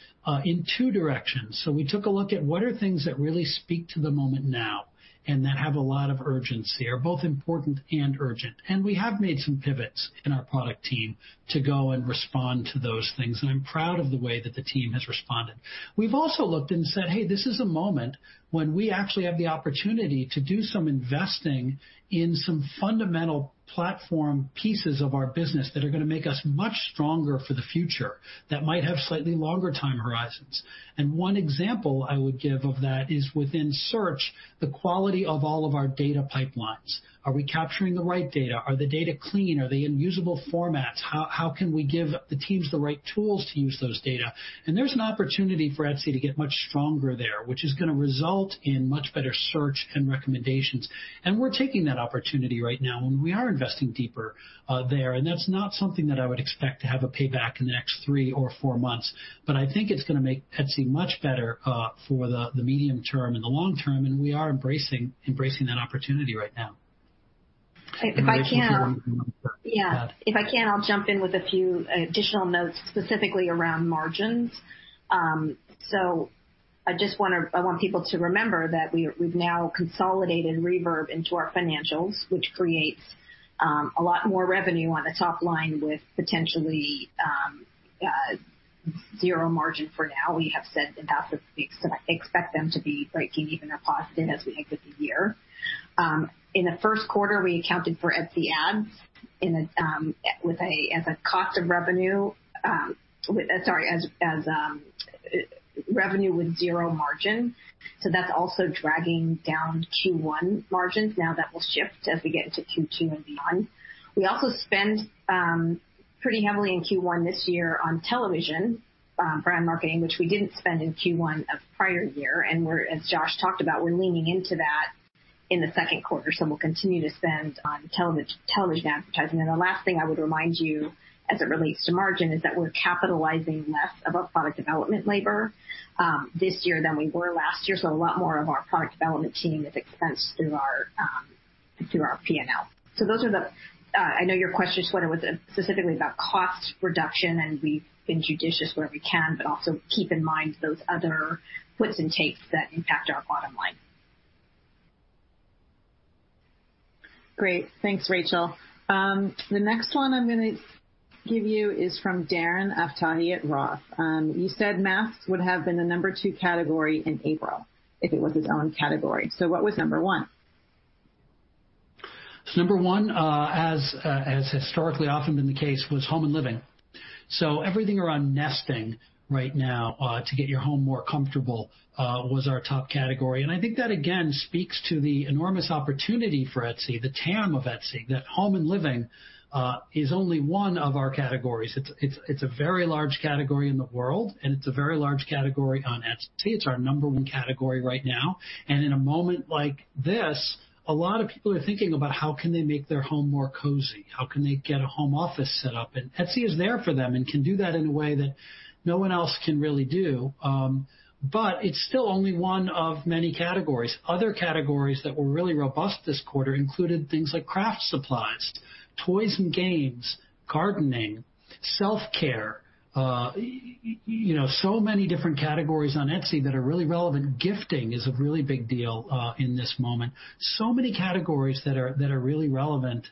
in two directions. We took a look at what are things that really speak to the moment now and that have a lot of urgency, are both important and urgent. We have made some pivots in our product team to go and respond to those things, and I'm proud of the way that the team has responded. We've also looked and said, "Hey, this is a moment when we actually have the opportunity to do some investing in some fundamental platform pieces of our business that are going to make us much stronger for the future, that might have slightly longer time horizons." One example I would give of that is within search, the quality of all of our data pipelines. Are we capturing the right data? Are the data clean? Are they in usable formats? How can we give the teams the right tools to use those data? There's an opportunity for Etsy to get much stronger there, which is going to result in much better search and recommendations. We're taking that opportunity right now, and we are investing deeper there. That's not something that I would expect to have a payback in the next three or four months. I think it's going to make Etsy much better for the medium term and the long term, and we are embracing that opportunity right now. If I can. Rachel, do you want to comment on that? Yeah. If I can, I'll jump in with a few additional notes, specifically around margins. I want people to remember that we've now consolidated Reverb into our financials, which creates a lot more revenue on the top line with potentially zero margin for now. We have said in past speaks that I expect them to be breaking even or positive as we end the year. In the first quarter, we accounted for Etsy Ads as revenue with zero margin. That's also dragging down Q1 margins. Now that will shift as we get into Q2 and beyond. We also spent pretty heavily in Q1 this year on television brand marketing, which we didn't spend in Q1 of the prior year. As Josh talked about, we're leaning into that in the second quarter, we'll continue to spend on television advertising. The last thing I would remind you as it relates to margin is that we're capitalizing less of our product development labor this year than we were last year. A lot more of our product development team is expensed through our P&L. I know your question sort of was specifically about cost reduction, and we've been judicious where we can, but also keep in mind those other puts and takes that impact our bottom line. Great. Thanks, Rachel. The next one I'm going to give you is from Darren Aftahi at Roth. You said masks would have been the number two category in April if it was its own category. What was number one? Number one, as historically often been the case, was home and living. Everything around nesting right now, to get your home more comfortable, was our top category. I think that, again, speaks to the enormous opportunity for Etsy, the TAM of Etsy, that home and living is only one of our categories. It's a very large category in the world, and it's a very large category on Etsy. It's our number one category right now. In a moment like this, a lot of people are thinking about how can they make their home more cozy. How can they get a home office set up? Etsy is there for them and can do that in a way that no one else can really do. It's still only one of many categories. Other categories that were really robust this quarter included things like craft supplies, toys and games, gardening, self-care. Many different categories on Etsy that are really relevant. Gifting is a really big deal in this moment. Many categories that are really relevant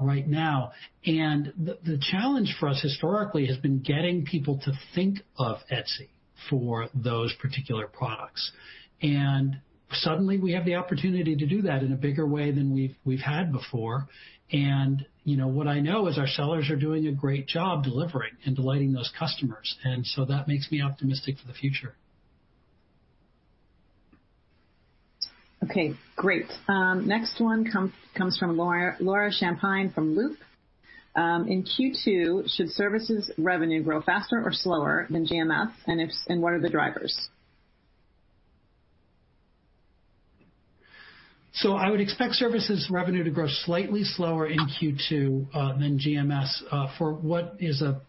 right now. The challenge for us historically has been getting people to think of Etsy for those particular products. Suddenly we have the opportunity to do that in a bigger way than we've had before. What I know is our sellers are doing a great job delivering and delighting those customers. That makes me optimistic for the future. Okay, great. Next one comes from Laura Champine from Loop. In Q2, should services revenue grow faster or slower than GMS, and what are the drivers? I would expect services revenue to grow slightly slower in Q2 than GMS for what is a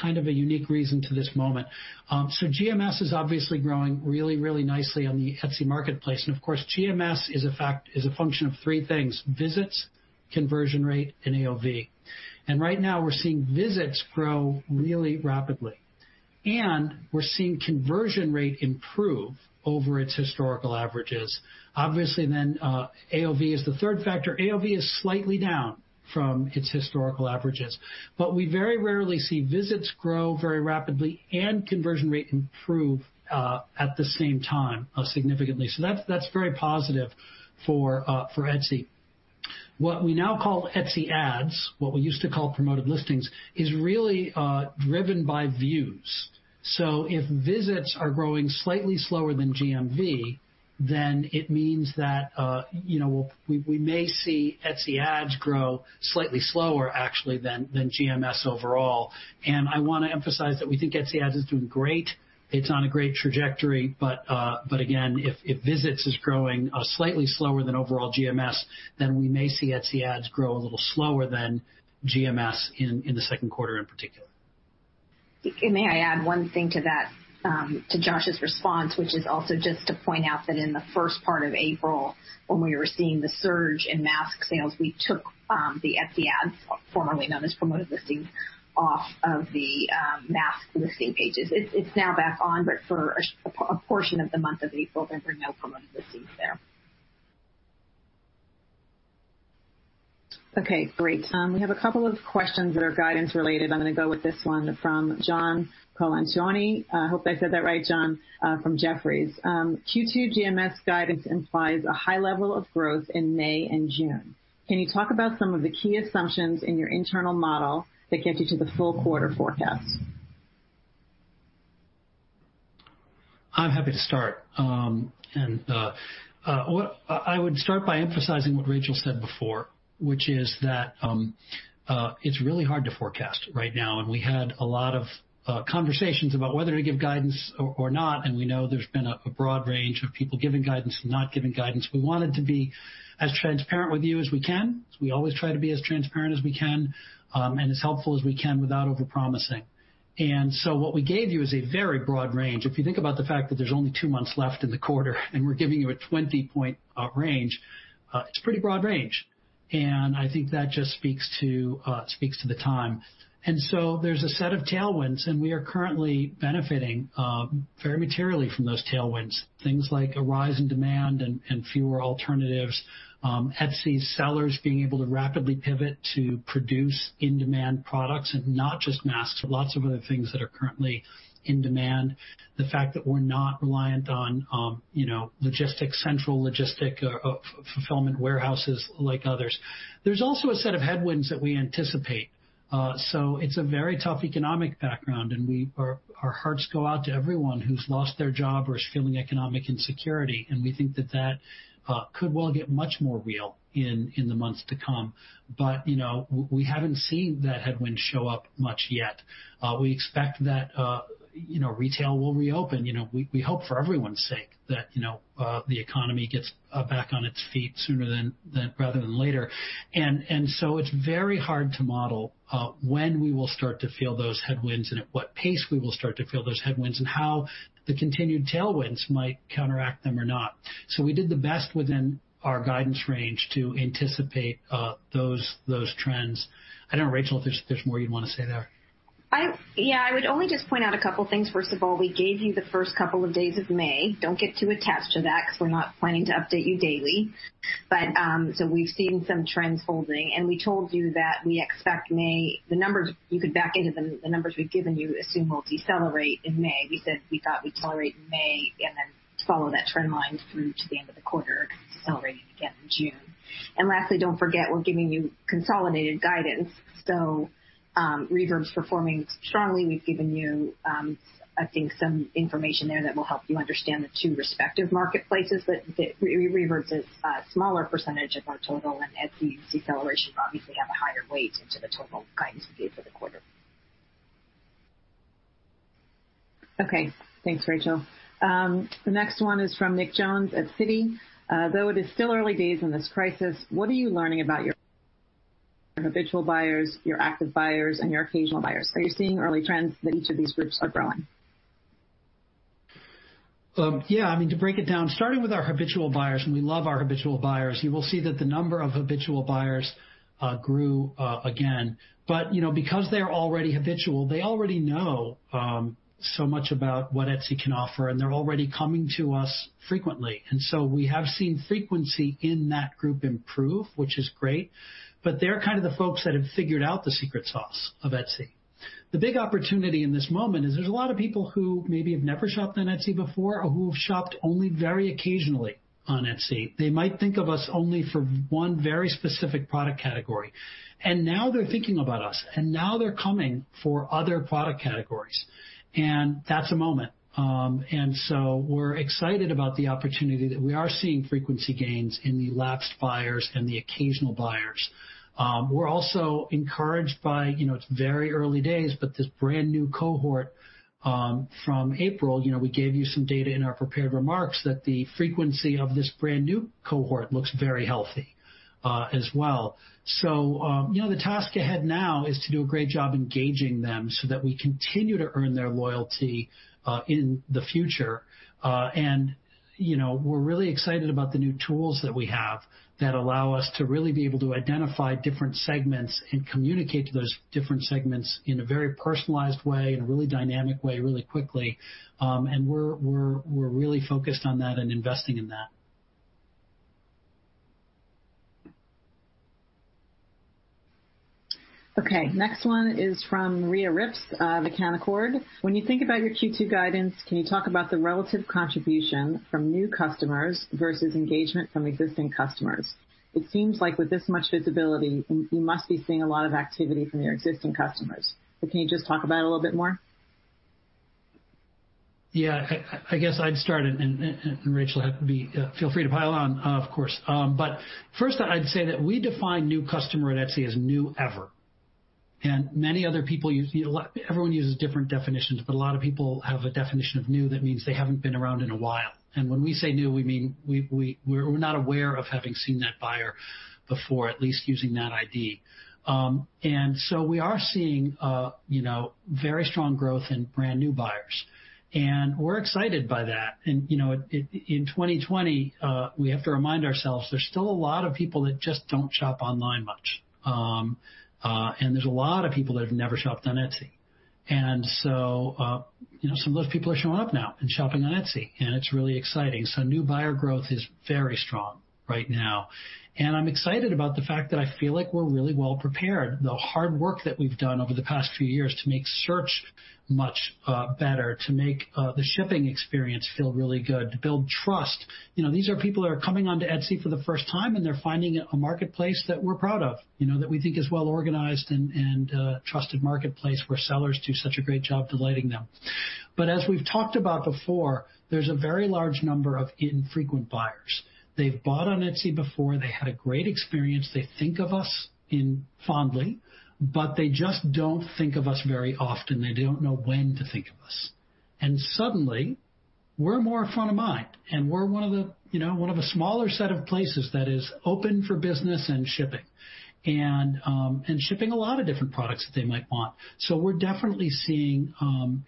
kind of a unique reason to this moment. GMS is obviously growing really, really nicely on the Etsy marketplace, and of course, GMS is a function of three things, visits, conversion rate, and AOV. Right now, we're seeing visits grow really rapidly, and we're seeing conversion rate improve over its historical averages. Obviously, then, AOV is the third factor. AOV is slightly down from its historical averages. We very rarely see visits grow very rapidly and conversion rate improve at the same time significantly. That's very positive for Etsy. What we now call Etsy Ads, what we used to call Promoted Listings, is really driven by views. If visits are growing slightly slower than GMV, then it means that we may see Etsy Ads grow slightly slower actually than GMS overall. I want to emphasize that we think Etsy Ads is doing great. It's on a great trajectory. Again, if visits is growing slightly slower than overall GMS, then we may see Etsy Ads grow a little slower than GMS in the second quarter in particular. May I add one thing to that, to Josh's response, which is also just to point out that in the first part of April, when we were seeing the surge in mask sales, we took the Etsy Ads, formerly known as Promoted Listings, off of the mask listing pages. It's now back on, but for a portion of the month of April, there were no Promoted Listings there. Okay, great. We have a couple of questions that are guidance-related. I'm going to go with this one from John Colantuoni. I hope I said that right, John, from Jefferies. Q2 GMS guidance implies a high level of growth in May and June. Can you talk about some of the key assumptions in your internal model that get you to the full quarter forecast? I'm happy to start. I would start by emphasizing what Rachel said before, which is that it's really hard to forecast right now, and we had a lot of conversations about whether to give guidance or not, and we know there's been a broad range of people giving guidance and not giving guidance. We wanted to be as transparent with you as we can. We always try to be as transparent as we can, and as helpful as we can without over-promising. What we gave you is a very broad range. If you think about the fact that there's only two months left in the quarter, and we're giving you a 20-point range, it's a pretty broad range, and I think that just speaks to the time. There's a set of tailwinds, and we are currently benefiting very materially from those tailwinds. Things like a rise in demand and fewer alternatives, Etsy sellers being able to rapidly pivot to produce in-demand products and not just masks, lots of other things that are currently in demand. The fact that we're not reliant on central logistic fulfillment warehouses like others. There's also a set of headwinds that we anticipate. It's a very tough economic background, and our hearts go out to everyone who's lost their job or is feeling economic insecurity, and we think that that could well get much more real in the months to come. We haven't seen that headwind show up much yet. We expect that retail will reopen. We hope for everyone's sake that the economy gets back on its feet sooner rather than later. It's very hard to model when we will start to feel those headwinds and at what pace we will start to feel those headwinds, and how the continued tailwinds might counteract them or not. We did the best within our guidance range to anticipate those trends. I don't know, Rachel, if there's more you'd want to say there. Yeah, I would only just point out a couple things. First of all, we gave you the first couple of days of May. Don't get too attached to that because we're not planning to update you daily. We've seen some trends holding, and we told you that we expect May, the numbers you could back into, the numbers we've given you assume we'll decelerate in May. We said we thought we'd decelerate in May and then follow that trend line through to the end of the quarter, decelerating again in June. Lastly, don't forget, we're giving you consolidated guidance. Reverb's performing strongly. We've given you, I think, some information there that will help you understand the two respective marketplaces, but Reverb is a smaller percentage of our total, and Etsy deceleration obviously have a higher weight into the total guidance we gave for the quarter. Okay, thanks, Rachel. The next one is from Nick Jones at Citi. Though it is still early days in this crisis, what are you learning about your habitual buyers, your active buyers, and your occasional buyers? Are you seeing early trends that each of these groups are growing? Yeah, to break it down, starting with our habitual buyers, and we love our habitual buyers. You will see that the number of habitual buyers grew again. Because they're already habitual, they already know so much about what Etsy can offer, and they're already coming to us frequently. We have seen frequency in that group improve, which is great. They're kind of the folks that have figured out the secret sauce of Etsy. The big opportunity in this moment is there's a lot of people who maybe have never shopped on Etsy before, or who have shopped only very occasionally on Etsy. They might think of us only for one very specific product category. Now they're thinking about us, and now they're coming for other product categories. That's a moment. We're excited about the opportunity that we are seeing frequency gains in the lapsed buyers and the occasional buyers. We're also encouraged by, it's very early days, but this brand new cohort from April. We gave you some data in our prepared remarks that the frequency of this brand new cohort looks very healthy as well. The task ahead now is to do a great job engaging them so that we continue to earn their loyalty in the future. We're really excited about the new tools that we have that allow us to really be able to identify different segments and communicate to those different segments in a very personalized way, in a really dynamic way, really quickly. We're really focused on that and investing in that. Okay. Next one is from Maria Ripps of Canaccord. When you think about your Q2 guidance, can you talk about the relative contribution from new customers versus engagement from existing customers? It seems like with this much visibility, you must be seeing a lot of activity from your existing customers. Can you just talk about it a little bit more? Yeah. I guess I'd start, and Rachel, feel free to pile on, of course. First I'd say that we define new customer at Etsy as new ever. Many other people you see, everyone uses different definitions, but a lot of people have a definition of new that means they haven't been around in a while. When we say new, we mean we're not aware of having seen that buyer before, at least using that ID. So we are seeing very strong growth in brand-new buyers, and we're excited by that. In 2020, we have to remind ourselves, there's still a lot of people that just don't shop online much. There's a lot of people that have never shopped on Etsy. So, some of those people are showing up now and shopping on Etsy, and it's really exciting. New buyer growth is very strong right now. I'm excited about the fact that I feel like we're really well prepared. The hard work that we've done over the past few years to make search much better, to make the shipping experience feel really good, to build trust. These are people that are coming onto Etsy for the first time, and they're finding a marketplace that we're proud of, that we think is well-organized and a trusted marketplace where sellers do such a great job delighting them. As we've talked about before, there's a very large number of infrequent buyers. They've bought on Etsy before. They had a great experience. They think of us fondly, but they just don't think of us very often. They don't know when to think of us. Suddenly, we're more front of mind, and we're one of a smaller set of places that is open for business and shipping. Shipping a lot of different products that they might want. We're definitely seeing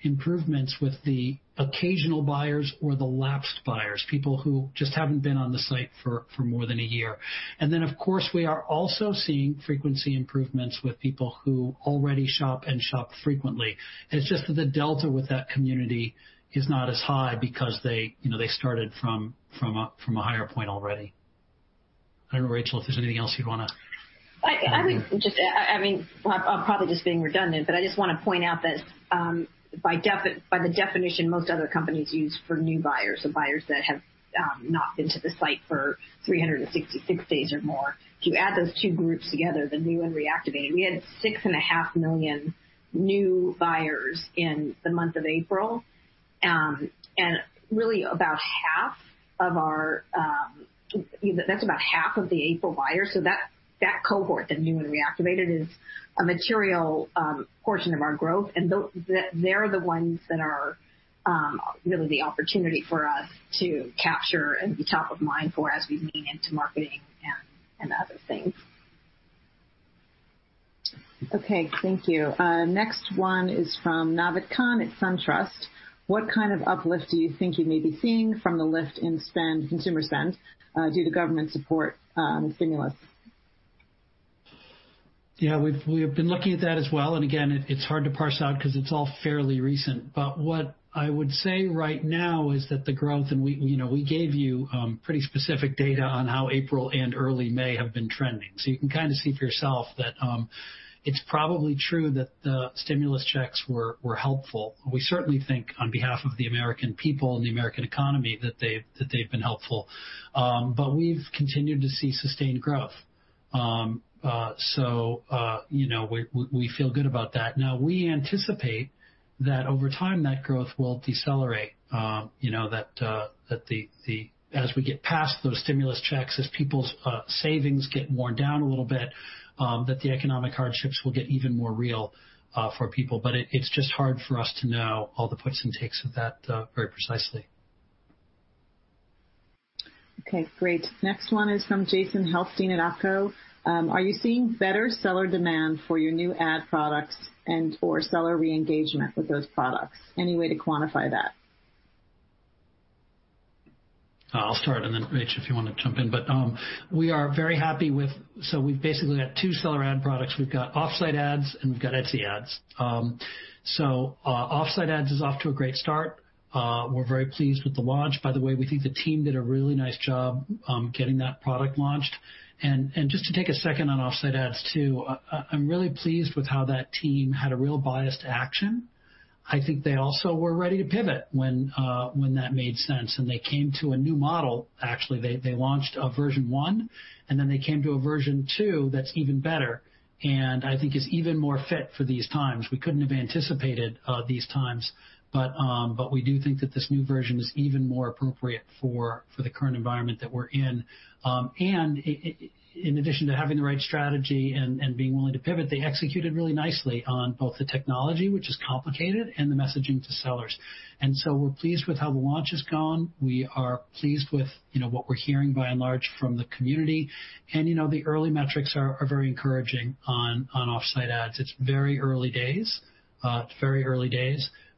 improvements with the occasional buyers or the lapsed buyers, people who just haven't been on the site for more than a year. Of course, we are also seeing frequency improvements with people who already shop and shop frequently. It's just that the delta with that community is not as high because they started from a higher point already. I don't know, Rachel, if there's anything else you'd want to add. I'm probably just being redundant, but I just want to point out that by the definition most other companies use for new buyers or buyers that have not been to the site for 366 days or more, if you add those two groups together, the new and reactivated, we had 6.5 million new buyers in the month of April. That's about half of the April buyers. That cohort, the new and reactivated, is a material portion of our growth. They're the ones that are really the opportunity for us to capture and be top of mind for as we lean into marketing and other things. Okay, thank you. Next one is from Naved Khan at SunTrust. What kind of uplift do you think you may be seeing from the lift in consumer spend due to government support stimulus? Yeah, we've been looking at that as well. Again, it's hard to parse out because it's all fairly recent. What I would say right now is that the growth, and we gave you pretty specific data on how April and early May have been trending. You can kind of see for yourself that it's probably true that the stimulus checks were helpful. We certainly think on behalf of the American people and the American economy, that they've been helpful. We've continued to see sustained growth. We feel good about that. Now, we anticipate that over time, that growth will decelerate. That as we get past those stimulus checks, as people's savings get worn down a little bit, that the economic hardships will get even more real for people. It's just hard for us to know all the puts and takes of that very precisely. Okay, great. Next one is from Jason Helfstein at OpCo. Are you seeing better seller demand for your new ad products and/or seller re-engagement with those products? Any way to quantify that? I'll start, and then Rachel, if you want to jump in. We are very happy with So we've basically got two seller ad products. We've got off-site ads, and we've got Etsy Ads. Off-site ads is off to a great start. We're very pleased with the launch. By the way, we think the team did a really nice job getting that product launched. Just to take a second on off-site ads too, I'm really pleased with how that team had a real bias to action. I think they also were ready to pivot when that made sense. They came to a new model, actually. They launched a version one, and then they came to a version two that's even better. I think is even more fit for these times. We couldn't have anticipated these times. We do think that this new version is even more appropriate for the current environment that we're in. In addition to having the right strategy and being willing to pivot, they executed really nicely on both the technology, which is complicated, and the messaging to sellers. We're pleased with how the launch has gone. We are pleased with what we're hearing by and large from the community. The early metrics are very encouraging on off-site ads. It's very early days.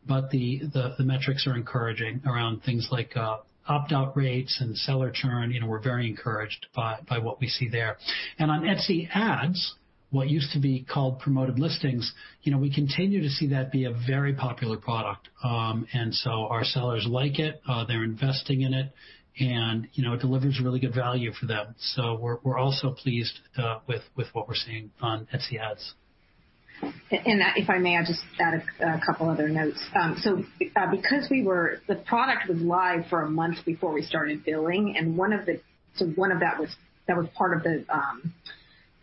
The metrics are encouraging around things like opt-out rates and seller churn. We're very encouraged by what we see there. On Etsy Ads, what used to be called Promoted Listings, we continue to see that be a very popular product. Our sellers like it, they're investing in it, and it delivers really good value for them. We're also pleased with what we're seeing on Etsy Ads. If I may, I'll just add a couple other notes. Because the product was live for a month before we started billing, one of that was part of the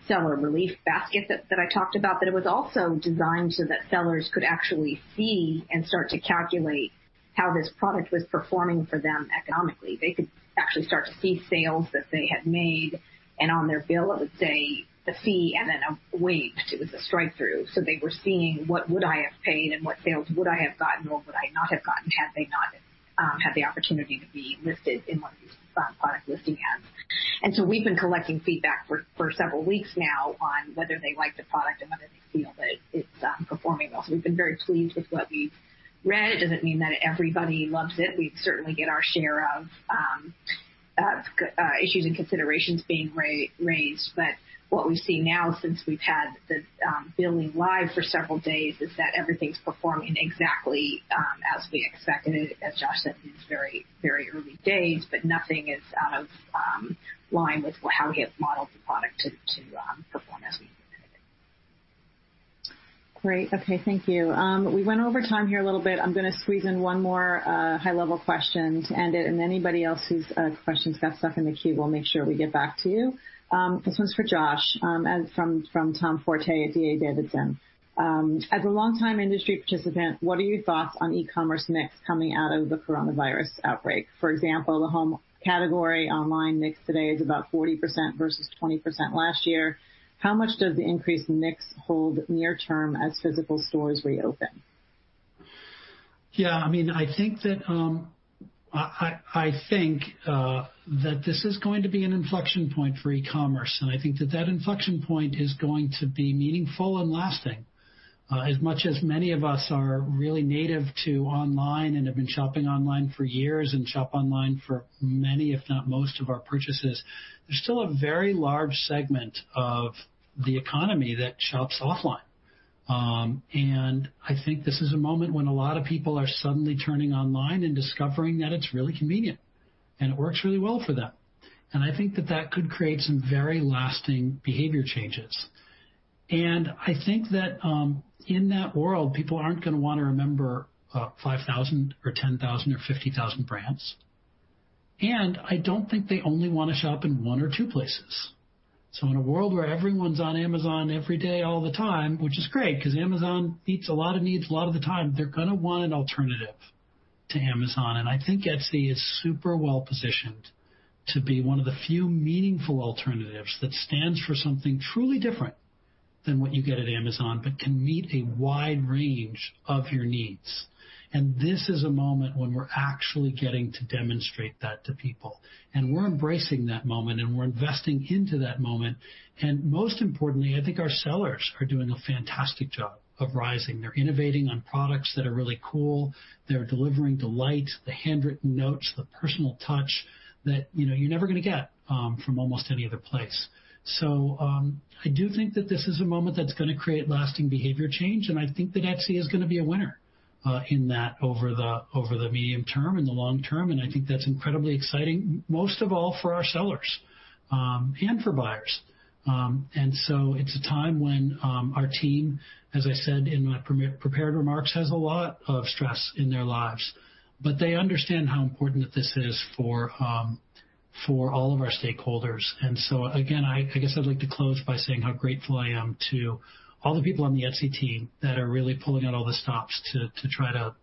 seller relief basket that I talked about, but it was also designed so that sellers could actually see and start to calculate how this product was performing for them economically. They could actually start to see sales that they had made. And on their bill, it would say the fee and then a waiver, it was a strikethrough. They were seeing what would I have paid and what sales would I have gotten or would I not have gotten had they not had the opportunity to be listed in one of these product listing ads. We've been collecting feedback for several weeks now on whether they like the product and whether they feel that it's performing well. We've been very pleased with what we've read. It doesn't mean that everybody loves it. We certainly get our share of issues and considerations being raised, but what we see now, since we've had the billing live for several days, is that everything's performing exactly as we expected. As Josh said, it's very early days, but nothing is out of line with how we have modeled the product to perform as we anticipated. Great. Okay, thank you. We went over time here a little bit. I'm going to squeeze in one more high-level question to end it, and anybody else whose questions got stuck in the queue, we'll make sure we get back to you. This one's for Josh, from Tom Forte at D.A. Davidson. As a longtime industry participant, what are your thoughts on e-commerce mix coming out of the coronavirus outbreak? For example, the home category online mix today is about 40% versus 20% last year. How much does the increased mix hold near term as physical stores reopen? Yeah, I think that this is going to be an inflection point for e-commerce, and I think that that inflection point is going to be meaningful and lasting. As much as many of us are really native to online and have been shopping online for years and shop online for many, if not most, of our purchases, there's still a very large segment of the economy that shops offline. I think this is a moment when a lot of people are suddenly turning online and discovering that it's really convenient, and it works really well for them. I think that that could create some very lasting behavior changes. I think that in that world, people aren't going to want to remember 5,000 or 10,000 or 50,000 brands. I don't think they only want to shop in one or two places. In a world where everyone's on Amazon every day, all the time, which is great because Amazon meets a lot of needs a lot of the time, they're going to want an alternative to Amazon. I think Etsy is super well-positioned to be one of the few meaningful alternatives that stands for something truly different than what you get at Amazon but can meet a wide range of your needs. This is a moment when we're actually getting to demonstrate that to people. We're embracing that moment, and we're investing into that moment. Most importantly, I think our sellers are doing a fantastic job of rising. They're innovating on products that are really cool. They're delivering delight, the handwritten notes, the personal touch that you're never going to get from almost any other place. I do think that this is a moment that's going to create lasting behavior change, and I think that Etsy is going to be a winner in that over the medium term and the long term. I think that's incredibly exciting, most of all for our sellers and for buyers. It's a time when our team, as I said in my prepared remarks, has a lot of stress in their lives, but they understand how important this is for all of our stakeholders. Again, I guess I'd like to close by saying how grateful I am to all the people on the Etsy team that are really pulling out all the stops to try to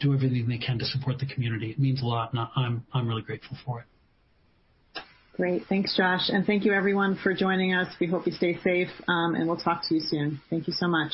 do everything they can to support the community. It means a lot, and I'm really grateful for it. Great. Thanks, Josh. Thank you everyone for joining us. We hope you stay safe, and we'll talk to you soon. Thank you so much.